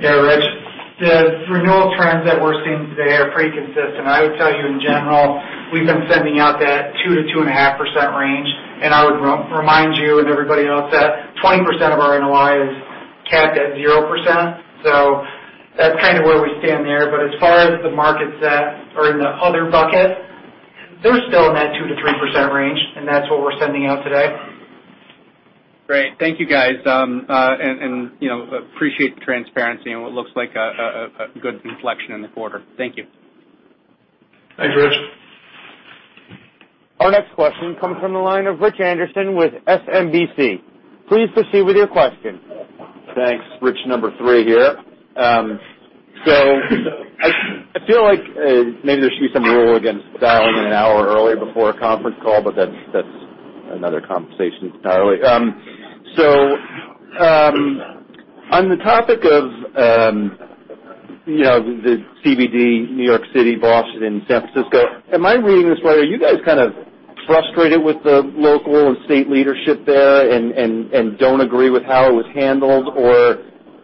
Yeah, Rich. The renewal trends that we're seeing today are pretty consistent. I would tell you in general, we've been sending out that 2%-2.5% range, and I would remind you and everybody else that 20% of our NOI is capped at 0%. That's kind of where we stand there. As far as the markets that are in the other bucket, they're still in that 2%-3% range, and that's what we're sending out today. Great. Thank you, guys. Appreciate the transparency and what looks like a good inflection in the quarter. Thank you. Thanks, Rich. Our next question comes from the line of Rich Anderson with SMBC. Please proceed with your question. Thanks. Rich number three here. I feel like maybe there should be some rule against dialing in an hour early before a conference call, but that's another conversation entirely. On the topic of the CBD, New York City, Boston, and San Francisco, am I reading this right? Are you guys kind of frustrated with the local and state leadership there and don't agree with how it was handled,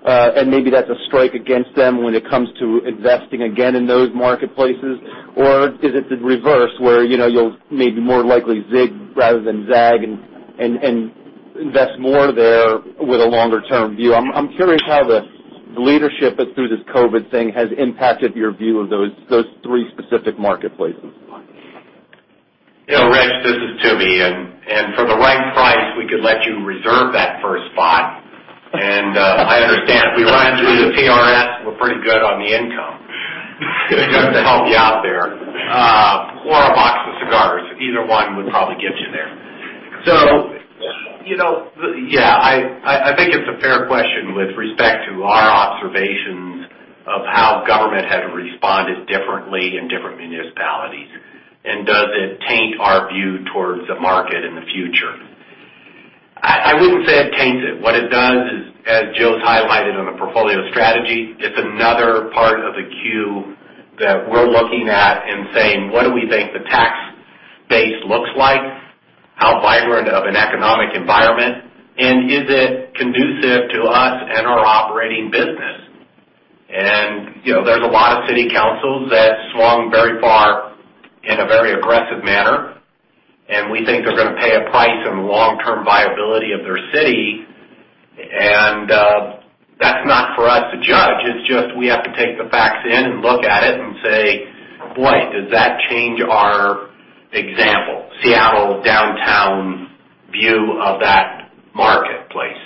and maybe that's a strike against them when it comes to investing again in those marketplaces? Is it the reverse, where you'll maybe more likely zig rather than zag and invest more there with a longer-term view? I'm curious how the leadership through this COVID thing has impacted your view of those three specific marketplaces. Rich, this is Toomey, for the right price, we could let you reserve that first spot. I understand if we run through the TRS, we're pretty good on the income. It doesn't help you out there. A box of cigars. Either one would probably get you there. Yeah. I think it's a fair question with respect to our observations of how government has responded differently in different municipalities, and does it taint our view towards the market in the future? I wouldn't say it taints it. What it does is, as Joe's highlighted on the portfolio strategy, it's another part of the queue that we're looking at and saying, what do we think the tax base looks like? How vibrant of an economic environment, and is it conducive to us and our operating business? There's a lot of city councils that swung very far in a very aggressive manner. We think they're going to pay a price in the long-term viability of their city. That's not for us to judge. It's just we have to take the facts in and look at it and say, boy, does that change our example, Seattle downtown view of that marketplace.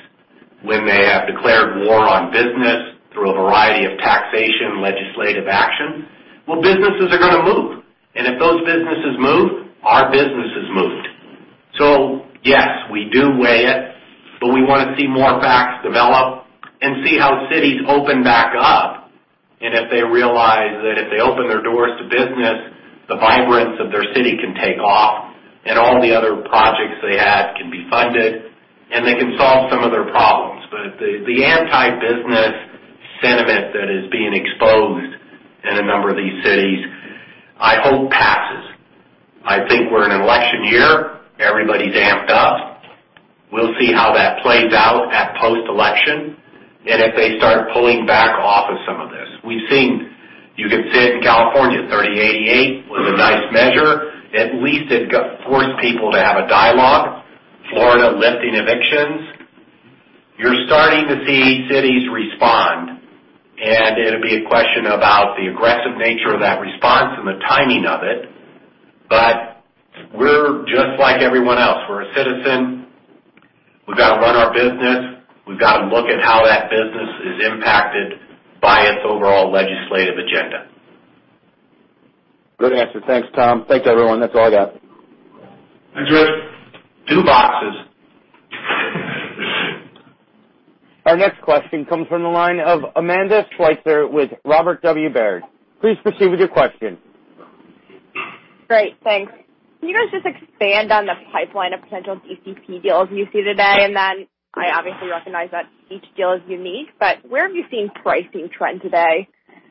When they have declared war on business through a variety of taxation legislative actions, well, businesses are going to move. If those businesses move, our business has moved. Yes, we do weigh it, but we want to see more facts develop and see how cities open back up, and if they realize that if they open their doors to business, the vibrance of their city can take off, and all the other projects they had can be funded, and they can solve some of their problems. The anti-business sentiment that is being exposed in a number of these cities, I hope passes. I think we're in an election year. Everybody's amped up. We'll see how that plays out at post-election, and if they start pulling back off of some of this. We've seen, you could see it in California, 3088 was a nice measure. At least it forced people to have a dialogue. Florida lifting evictions. You're starting to see cities respond, and it'll be a question about the aggressive nature of that response and the timing of it. We're just like everyone else. We're a citizen. We've got to run our business. We've got to look at how that business is impacted by its overall legislative agenda. Good answer. Thanks, Tom. Thanks, everyone. That's all I got. Thanks, Rich. Two boxes. Our next question comes from the line of Amanda Sweitzer with Robert W. Baird. Please proceed with your question. Great. Thanks. Can you guys just expand on the pipeline of potential DCP deals you see today? I obviously recognize that each deal is unique, but where have you seen pricing trend today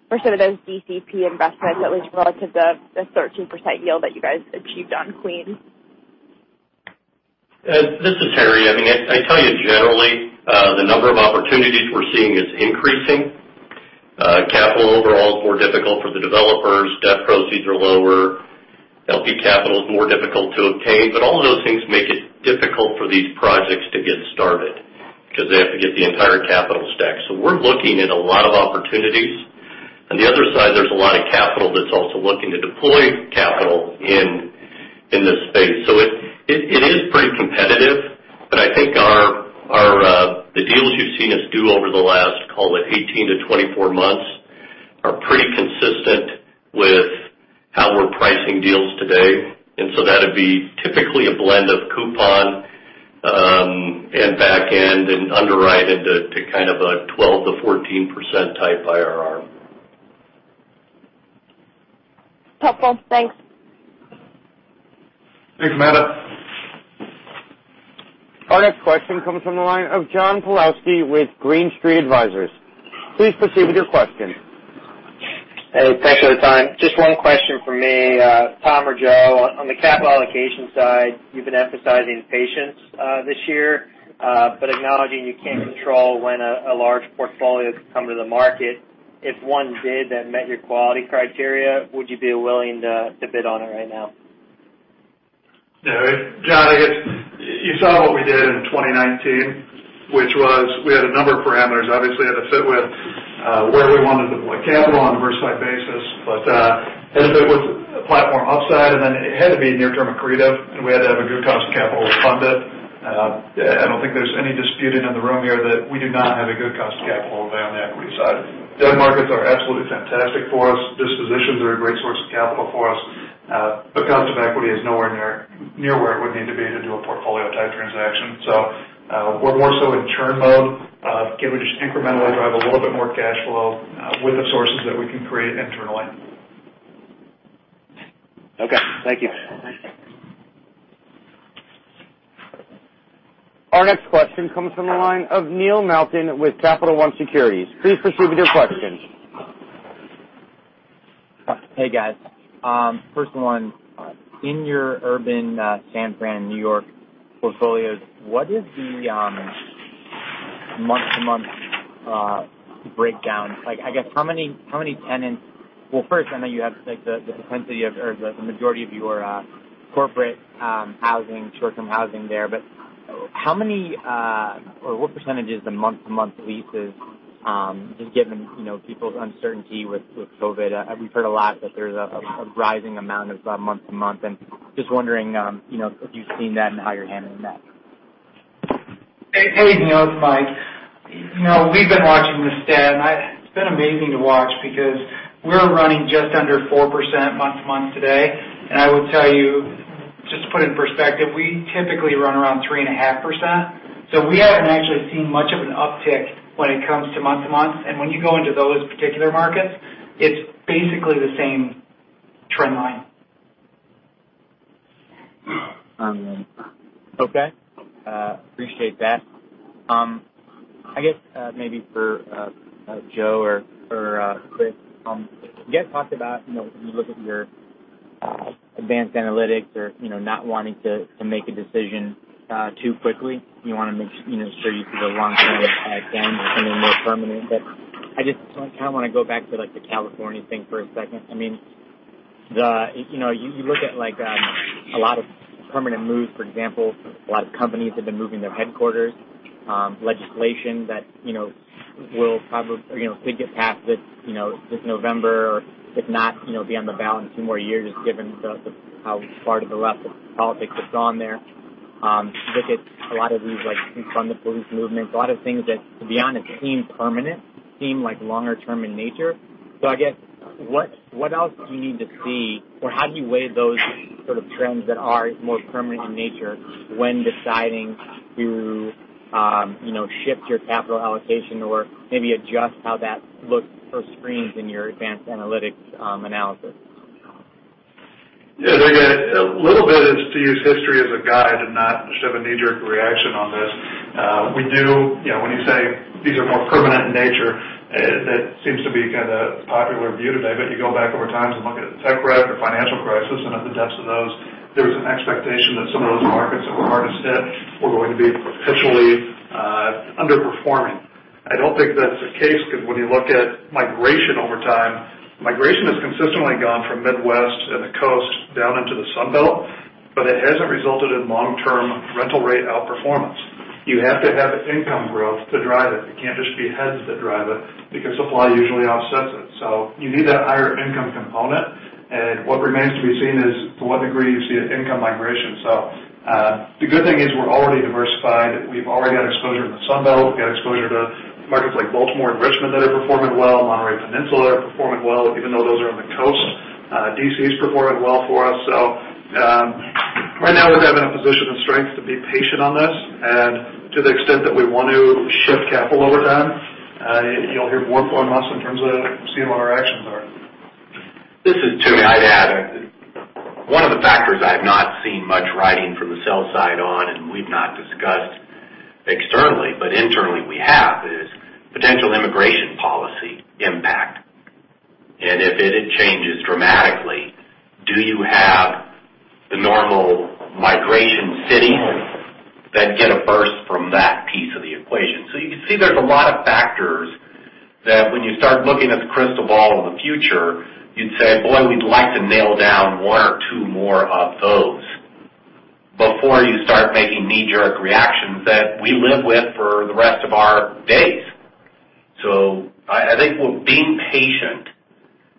for some of those DCP investments, at least relative to the 13% yield that you guys achieved on [Queens]? This is Harry. I tell you generally, the number of opportunities we're seeing is increasing. Capital overall is more difficult for the developers. Debt proceeds are lower. LP capital is more difficult to obtain. All of those things make it difficult for these projects to get started, because they have to get the entire capital stack. We're looking at a lot of opportunities. On the other side, there's a lot of capital that's also looking to deploy capital in this space. It is pretty competitive, but I think the deals you've seen us do over the last, call it 18-24 months, are pretty consistent with how we're pricing deals today. That'd be typically a blend of coupon, and back end, and underwritten to kind of a 12%-14% type IRR. Helpful. Thanks. Thanks, Amanda. Our next question comes from the line of John Pawlowski with Green Street Advisors. Please proceed with your question. Hey, thanks for the time. Just one question from me, Tom or Joe. On the capital allocation side, you've been emphasizing patience this year, but acknowledging you can't control when a large portfolio could come to the market. If one did that met your quality criteria, would you be willing to bid on it right now? John, I guess, you saw what we did in 2019, which was we had a number of parameters, obviously, it had to fit with where we wanted to deploy capital on a risk-type basis. It was a platform upside, and then it had to be near-term accretive, and we had to have a good cost of capital to fund it. I don't think there's any disputing in the room here that we do not have a good cost of capital today on the equity side. Debt markets are absolutely fantastic for us. Dispositions are a great source of capital for us. Cost of equity is nowhere near where it would need to be to do a portfolio-type transaction. We're more so in churn mode, given we just incrementally drive a little bit more cash flow with the sources that we can create internally. Okay. Thank you. Our next question comes from the line of Neil Malkin with Capital One Securities. Please proceed with your questions. Hey, guys. First one, in your urban San Fran, New York portfolios, what is the month-to-month breakdown? Like, I guess, how many tenants Well, first, I know you have the propensity of, or the majority of your corporate housing, short-term housing there, but how many, or what percentage is the month-to-month leases, just given people's uncertainty with COVID? We've heard a lot that there's a rising amount of month-to-month, and just wondering if you've seen that and how you're handling that. Hey, Neil. It's Mike. We've been watching the stat. It's been amazing to watch because we're running just under 4% month-to-month today. I will tell you, just to put it in perspective, we typically run around 3.5%. We haven't actually seen much of an uptick when it comes to month-to-month. When you go into those particular markets, it's basically the same trend line. Okay. Appreciate that. I guess maybe for Joe or Chris, you guys talked about when you look at your advanced analytics or not wanting to make a decision too quickly, you want to make sure you see the long-term trend and then more permanent. I just kind of want to go back to the California thing for a second. You look at a lot of permanent moves, for example, a lot of companies have been moving their headquarters. Legislation that could get passed this November or if not, be on the ballot in two more years, just given how far to the left politics have gone there. Look at a lot of these, like fundamental lease movements, a lot of things that, to be honest, seem permanent, seem longer-term in nature. I guess, what else do you need to see, or how do you weigh those sort of trends that are more permanent in nature when deciding to shift your capital allocation or maybe adjust how that looks or screens in your advanced analytics analysis? Yeah. A little bit is to use history as a guide and not just have a knee-jerk reaction on this. When you say these are more permanent in nature, that seems to be kind of popular view today. You go back over time and look at the tech crash or financial crisis and at the depths of those, there was an expectation that some of those markets that were hardest hit were going to be perpetually underperforming. I don't think that's the case because when you look at migration over time, migration has consistently gone from Midwest and the coast down into the Sunbelt, but it hasn't resulted in long-term rental rate outperformance. You have to have income growth to drive it. It can't just be heads that drive it because supply usually offsets it. You need that higher income component, and what remains to be seen is to what degree you see an income migration. The good thing is we're already diversified. We've already got exposure in the Sunbelt. We've got exposure to markets like Baltimore and Richmond that are performing well, Monterey Peninsula are performing well, even though those are on the coast. D.C. is performing well for us. Right now, we're having a position of strength to be patient on this, and to the extent that we want to shift capital over time, you'll hear more from us in terms of seeing what our actions are. This is Toomey. I'd add, one of the factors I've not seen much writing from the sell side on, and we've not discussed externally, but internally we have, is potential immigration policy impact. If it changes dramatically, do you have the normal migration cities that get a burst from that piece of the equation? You can see there's a lot of factors that when you start looking at the crystal ball of the future, you'd say, "Boy, we'd like to nail down one or two more of those," before you start making knee-jerk reactions that we live with for the rest of our days. I think being patient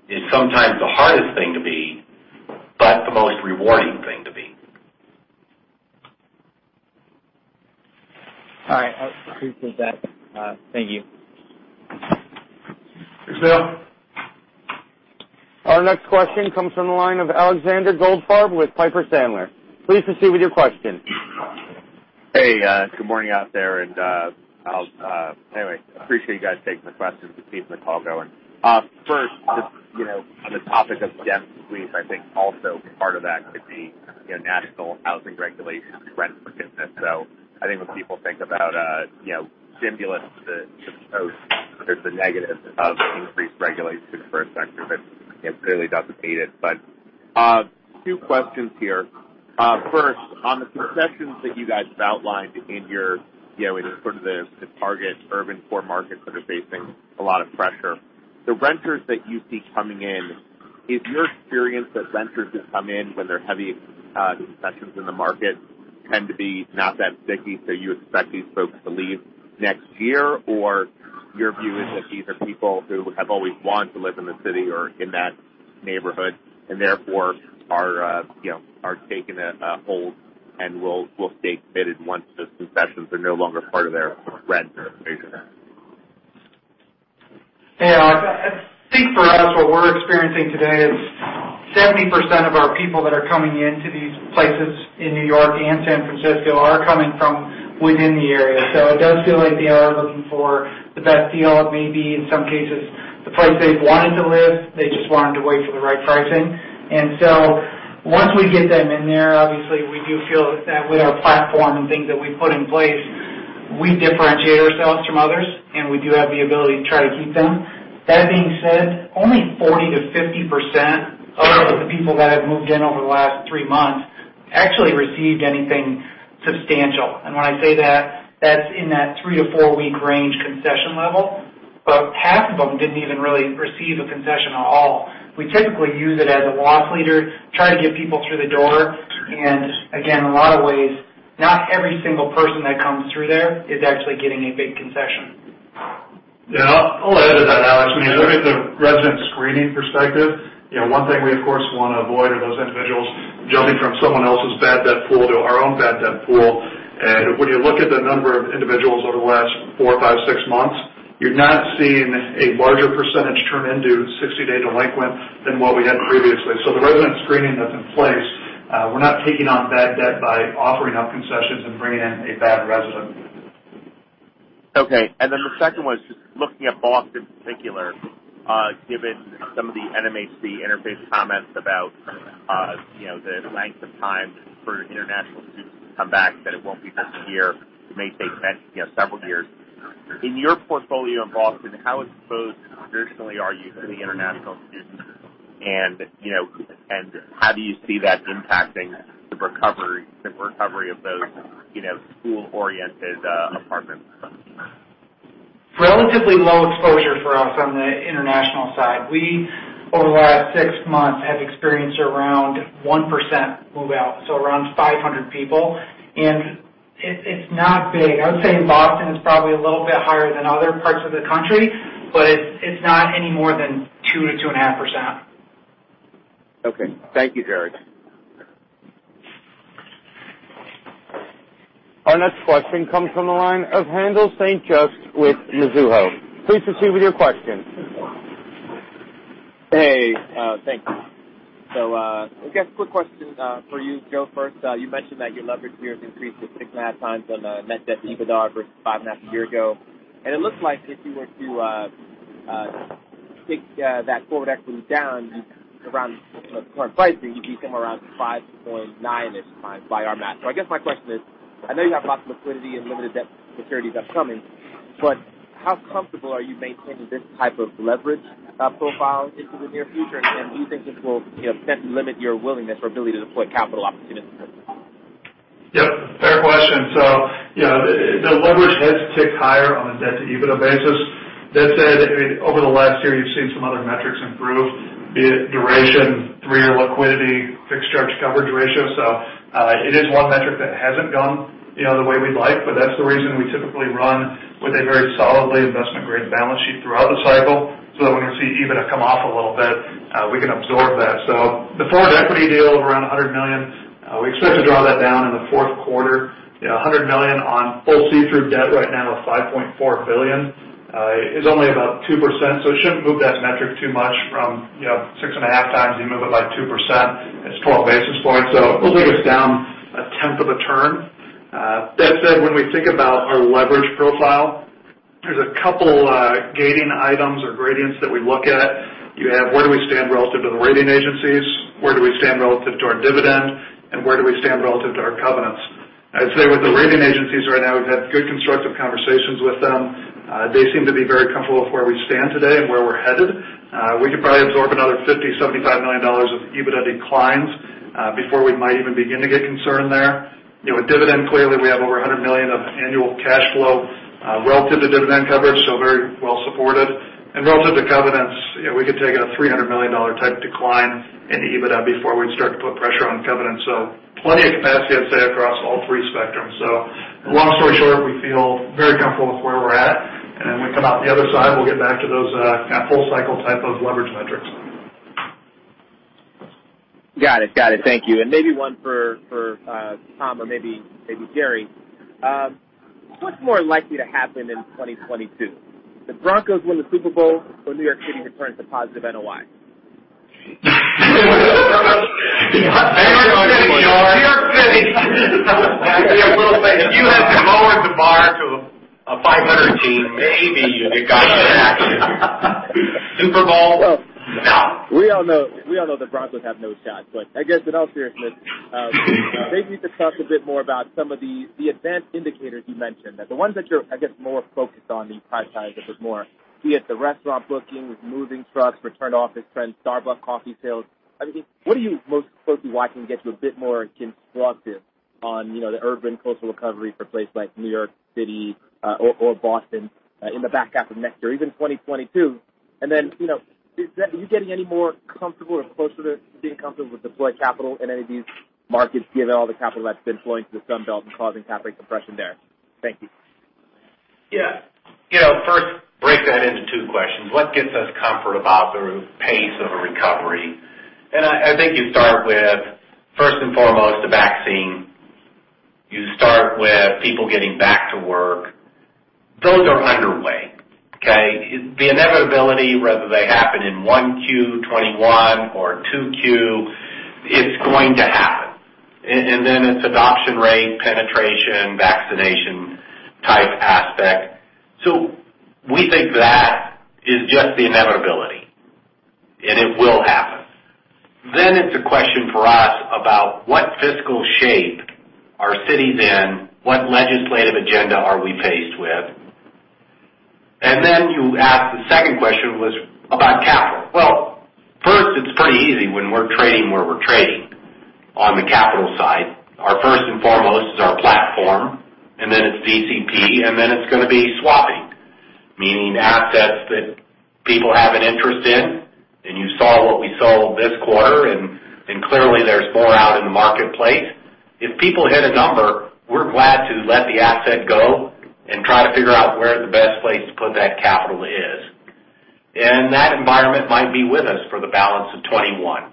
is sometimes the hardest thing to be, but the most rewarding thing to be. All right. Appreciate that. Thank you. Thanks, Neil. Our next question comes from the line of Alexander Goldfarb with Piper Sandler. Please proceed with your question. Hey, good morning out there. Anyway, appreciate you guys taking the questions and keeping the call going. First, just on the topic of rents, please, I think also part of that could be national housing regulations, rent forgiveness. I think when people think about stimulus to post, there's the negative of increased regulations for a sector that clearly doesn't need it. Two questions here. First, on the concessions that you guys have outlined in your It is the target urban core markets that are facing a lot of pressure. The renters that you see coming in, is your experience that renters who come in when there are heavy concessions in the market tend to be not that sticky, so you expect these folks to leave next year? Your view is that these are people who have always wanted to live in the city or in that neighborhood and therefore are taking a hold and will stay committed once those concessions are no longer part of their rent equation? Hey, Alex. I think for us, what we're experiencing today is 70% of our people that are coming into these places in New York and San Francisco are coming from within the area. It does feel like they are looking for the best deal. It may be, in some cases, the place they've wanted to live. They just wanted to wait for the right pricing. Once we get them in there, obviously, we do feel that with our platform and things that we've put in place, we differentiate ourselves from others, and we do have the ability to try to keep them. That being said, only 40%-50% of the people that have moved in over the last three months actually received anything substantial. When I say that's in that three to four-week range concession level. Half of them didn't even really receive a concession at all. We typically use it as a loss leader, try to get people through the door, and again, in a lot of ways, not every single person that comes through there is actually getting a big concession. Yeah. I'll add to that, Alex. I mean, looking at the resident screening perspective, one thing we, of course, want to avoid are those individuals jumping from someone else's bad debt pool to our own bad debt pool. When you look at the number of individuals over the last four, five, six months, you're not seeing a larger percentage turn into 60-day delinquent than what we had previously. The resident screening that's in place, we're not taking on bad debt by offering up concessions and bringing in a bad resident. Okay. The second one is just looking at Boston in particular, given some of the NMHC comments about the length of time for international students to come back, that it won't be this year. It may take several years. In your portfolio in Boston, how exposed traditionally are you to the international students, and how do you see that impacting the recovery of those school-oriented apartments? Relatively low exposure for us on the international side. We, over the last six months, have experienced around 1% move-out. Around 500 people. It's not big. I would say Boston is probably a little bit higher than other parts of the country, but it's not any more than 2%-2.5%. Okay. Thank you, Jerry. Our next question comes from the line of Haendel St. Juste with Mizuho. Please proceed with your question. Hey. Thanks. I guess quick question for you, Joe, first. You mentioned that your leverage here has increased to 6.5x on a net debt to EBITDA versus 5.5 a year ago. It looks like if you were to take that forward equity down around current pricing, you'd be somewhere around 5.9-ish times by our math. I guess my question is, I know you have lots of liquidity and limited debt securities upcoming, how comfortable are you maintaining this type of leverage profile into the near future? Do you think this will limit your willingness or ability to deploy capital opportunities? Yes. Fair question. The leverage has ticked higher on a debt-to-EBITDA basis. That said, over the last year, you've seen some other metrics improve, be it duration, three-year liquidity, fixed charge coverage ratio. It is one metric that hasn't gone the way we'd like, but that's the reason we typically run with a very solidly investment-grade balance sheet throughout the cycle, so that when we see EBITDA come off a little bit, we can absorb that. The forward equity deal of around $100 million, we expect to draw that down in the fourth quarter. $100 million on full see-through debt right now of $5.4 billion is only about 2%, so it shouldn't move that metric too much from 6.5x, you move it by 2%, it's 12 basis points. It'll bring us down 1/10 of a turn. That said, when we think about our leverage profile, there's a couple gating items or gradients that we look at. You have, where do we stand relative to the rating agencies? Where do we stand relative to our dividend? Where do we stand relative to our covenants? I'd say with the rating agencies right now, we've had good constructive conversations with them. They seem to be very comfortable with where we stand today and where we're headed. We could probably absorb another $50 million-$75 million of EBITDA declines before we might even begin to get concerned there. With dividend, clearly, we have over $100 million of annual cash flow relative to dividend coverage, very well supported. Relative to covenants, we could take a $300 million type decline in EBITDA before we'd start to put pressure on covenants. Plenty of capacity, I'd say, across all three spectrums. Long story short, we feel very comfortable with where we're at. When we come out the other side, we'll get back to those kind of full cycle type of leverage metrics. Got it. Thank you. Maybe one for Tom or maybe Jerry. What's more likely to happen in 2022? The Broncos win the Super Bowl or New York City returns a positive NOI? New York City. New York. New York City. I will say, if you had lowered the bar to a 500 team. Maybe you'd got a shot. Super Bowl? No. We all know the Broncos have no shot. I guess in all seriousness, maybe you could talk a bit more about some of the advanced indicators you mentioned. The ones that you're, I guess, more focused on these past times, like more be it the restaurant bookings, moving trucks, returned office trends, Starbucks coffee sales. What are you most closely watching to get you a bit more constructive on the urban coastal recovery for places like New York City or Boston in the back half of next year, even 2022? Are you getting any more comfortable or closer to being comfortable with deployed capital in any of these markets, given all the capital that's been flowing to the Sunbelt and causing capital compression there? Thank you. Yeah. First, break that into two questions. What gets us comfort about the pace of a recovery? I think you start with, first and foremost, the vaccine. You start with people getting back to work. Those are underway. Okay? The inevitability, whether they happen in 1Q 2021 or 2Q, it's going to happen. It's adoption rate, penetration, vaccination-type aspect. We think that is just the inevitability, and it will happen. It's a question for us about what fiscal shape are cities in, what legislative agenda are we faced with? You asked the second question was about capital. Well, first, it's pretty easy when we're trading where we're trading on the capital side. Our first and foremost is our platform, and then it's DCP, and then it's going to be swapping. Meaning assets that people have an interest in, and you saw what we sold this quarter, and clearly there's more out in the marketplace. If people hit a number, we're glad to let the asset go and try to figure out where the best place to put that capital is. That environment might be with us for the balance of 2021.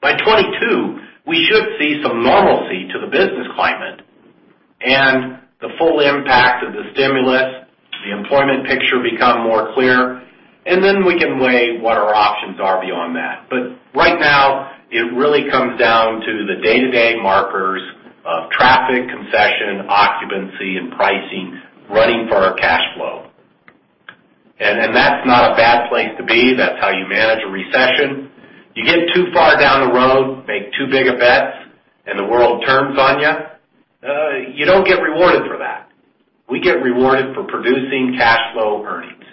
By 2022, we should see some normalcy to the business climate and the full impact of the stimulus, the employment picture become more clear, and then we can weigh what our options are beyond that. Right now, it really comes down to the day-to-day markers of traffic, concession, occupancy, and pricing running for our cash flow. That's not a bad place to be. That's how you manage a recession. You get too far down the road, make too big a bet, and the world turns on you don't get rewarded for that. We get rewarded for producing cash flow earnings.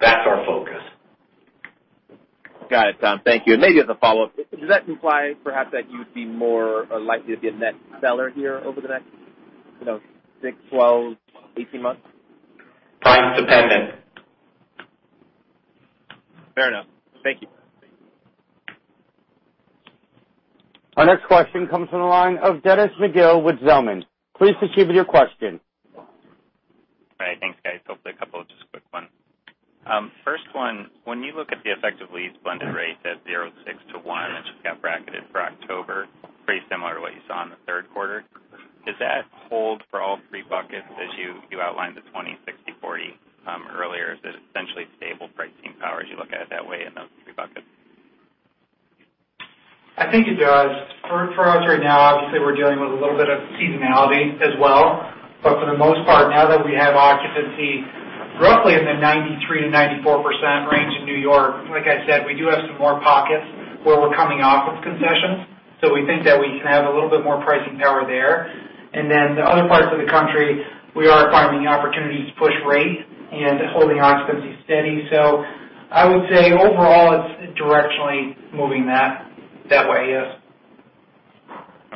That's our focus. Got it, Tom. Thank you. Maybe as a follow-up, does that imply perhaps that you would be more likely to be a net seller here over the next six, 12, 18 months? Price dependent. Fair enough. Thank you. Our next question comes from the line of Dennis McGill with Zelman. Please proceed with your question. Right. Thanks, guys. Hopefully a couple of just quick ones. First one, when you look at the effective lease blended rate at 0.6 to 1 that just got bracketed for October, pretty similar to what you saw in the third quarter, does that hold for all three buckets as you outlined the 20, 60, 40 earlier? Is it essentially stable pricing power as you look at it that way in those three buckets? I think it does. For us right now, obviously, we're dealing with a little bit of seasonality as well. For the most part, now that we have occupancy roughly in the 93%-94% range in New York, like I said, we do have some more pockets where we're coming off of concessions. We think that we can have a little bit more pricing power there. The other parts of the country, we are finding opportunities to push rate and holding occupancy steady. I would say overall it's directionally moving that way, yes.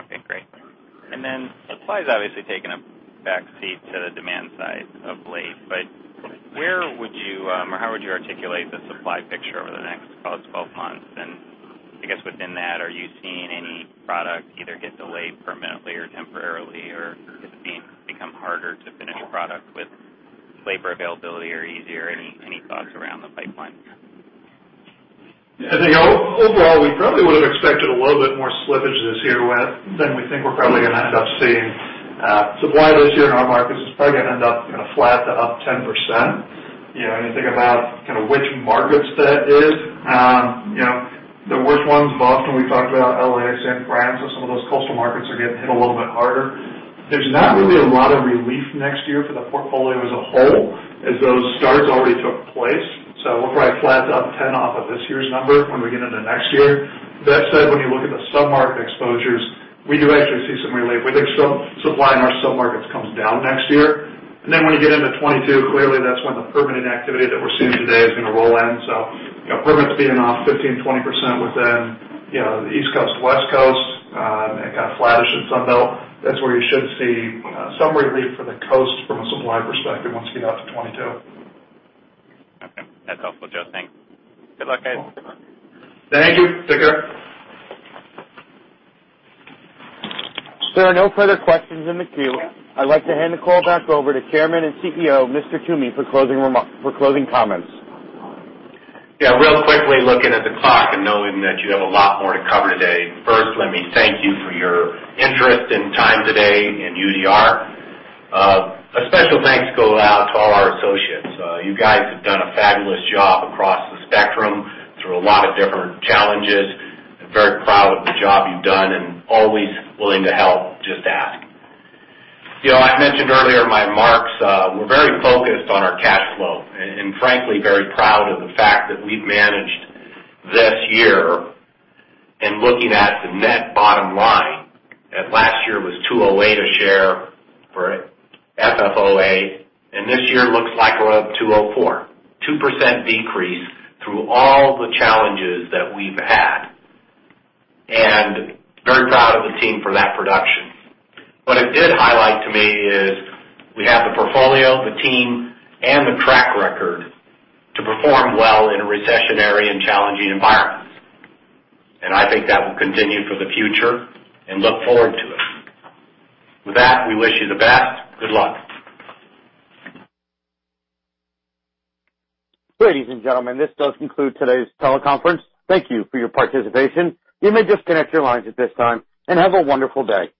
Okay, great. Supply's obviously taken a back seat to the demand side of late, but where would you or how would you articulate the supply picture over the next, call it, 12 months? I guess within that, are you seeing any product either get delayed permanently or temporarily, or is it becoming harder to finish a product with labor availability or easier? Any thoughts around the pipeline? I think overall, we probably would've expected a little bit more slippages here than we think we're probably going to end up seeing. Supply this year in our markets is probably going to end up flat to up 10%. You think about which markets that is. The worst ones, Boston, we talked about L.A., San Francisco, some of those coastal markets are getting hit a little bit harder. There's not really a lot of relief next year for the portfolio as a whole, as those starts already took place. We're probably flat to up 10 off of this year's number when we get into next year. That said, when you look at the sub-market exposures, we do actually see some relief. We think supply in our sub-markets comes down next year. When you get into 2022, clearly that's when the permitting activity that we're seeing today is going to roll in. Permits being off 15%-20% within the East Coast, West Coast, and kind of flattish in Sunbelt. That's where you should see some relief for the coast from a supply perspective once you get out to 2022. Okay. That's helpful, Joe. Thanks. Good luck, guys. Thank you. Take care. There are no further questions in the queue. I'd like to hand the call back over to Chairman and CEO, Mr. Toomey, for closing comments. Yeah, real quickly, looking at the clock and knowing that you have a lot more to cover today. First, let me thank you for your interest and time today in UDR. A special thanks go out to all our associates. You guys have done a fabulous job across the spectrum through a lot of different challenges. I'm very proud of the job you've done and always willing to help. Just ask. I mentioned earlier in my remarks. We're very focused on our cash flow and frankly, very proud of the fact that we've managed this year in looking at the net bottom line, that last year was $2.08 a share for FFOA, and this year looks like we're up $2.04. 2% decrease through all the challenges that we've had, and very proud of the team for that production. What it did highlight to me is we have the portfolio, the team, and the track record to perform well in a recessionary and challenging environment, and I think that will continue for the future and look forward to it. With that, we wish you the best. Good luck. Ladies and gentlemen, this does conclude today's teleconference. Thank you for your participation. You may disconnect your lines at this time, and have a wonderful day.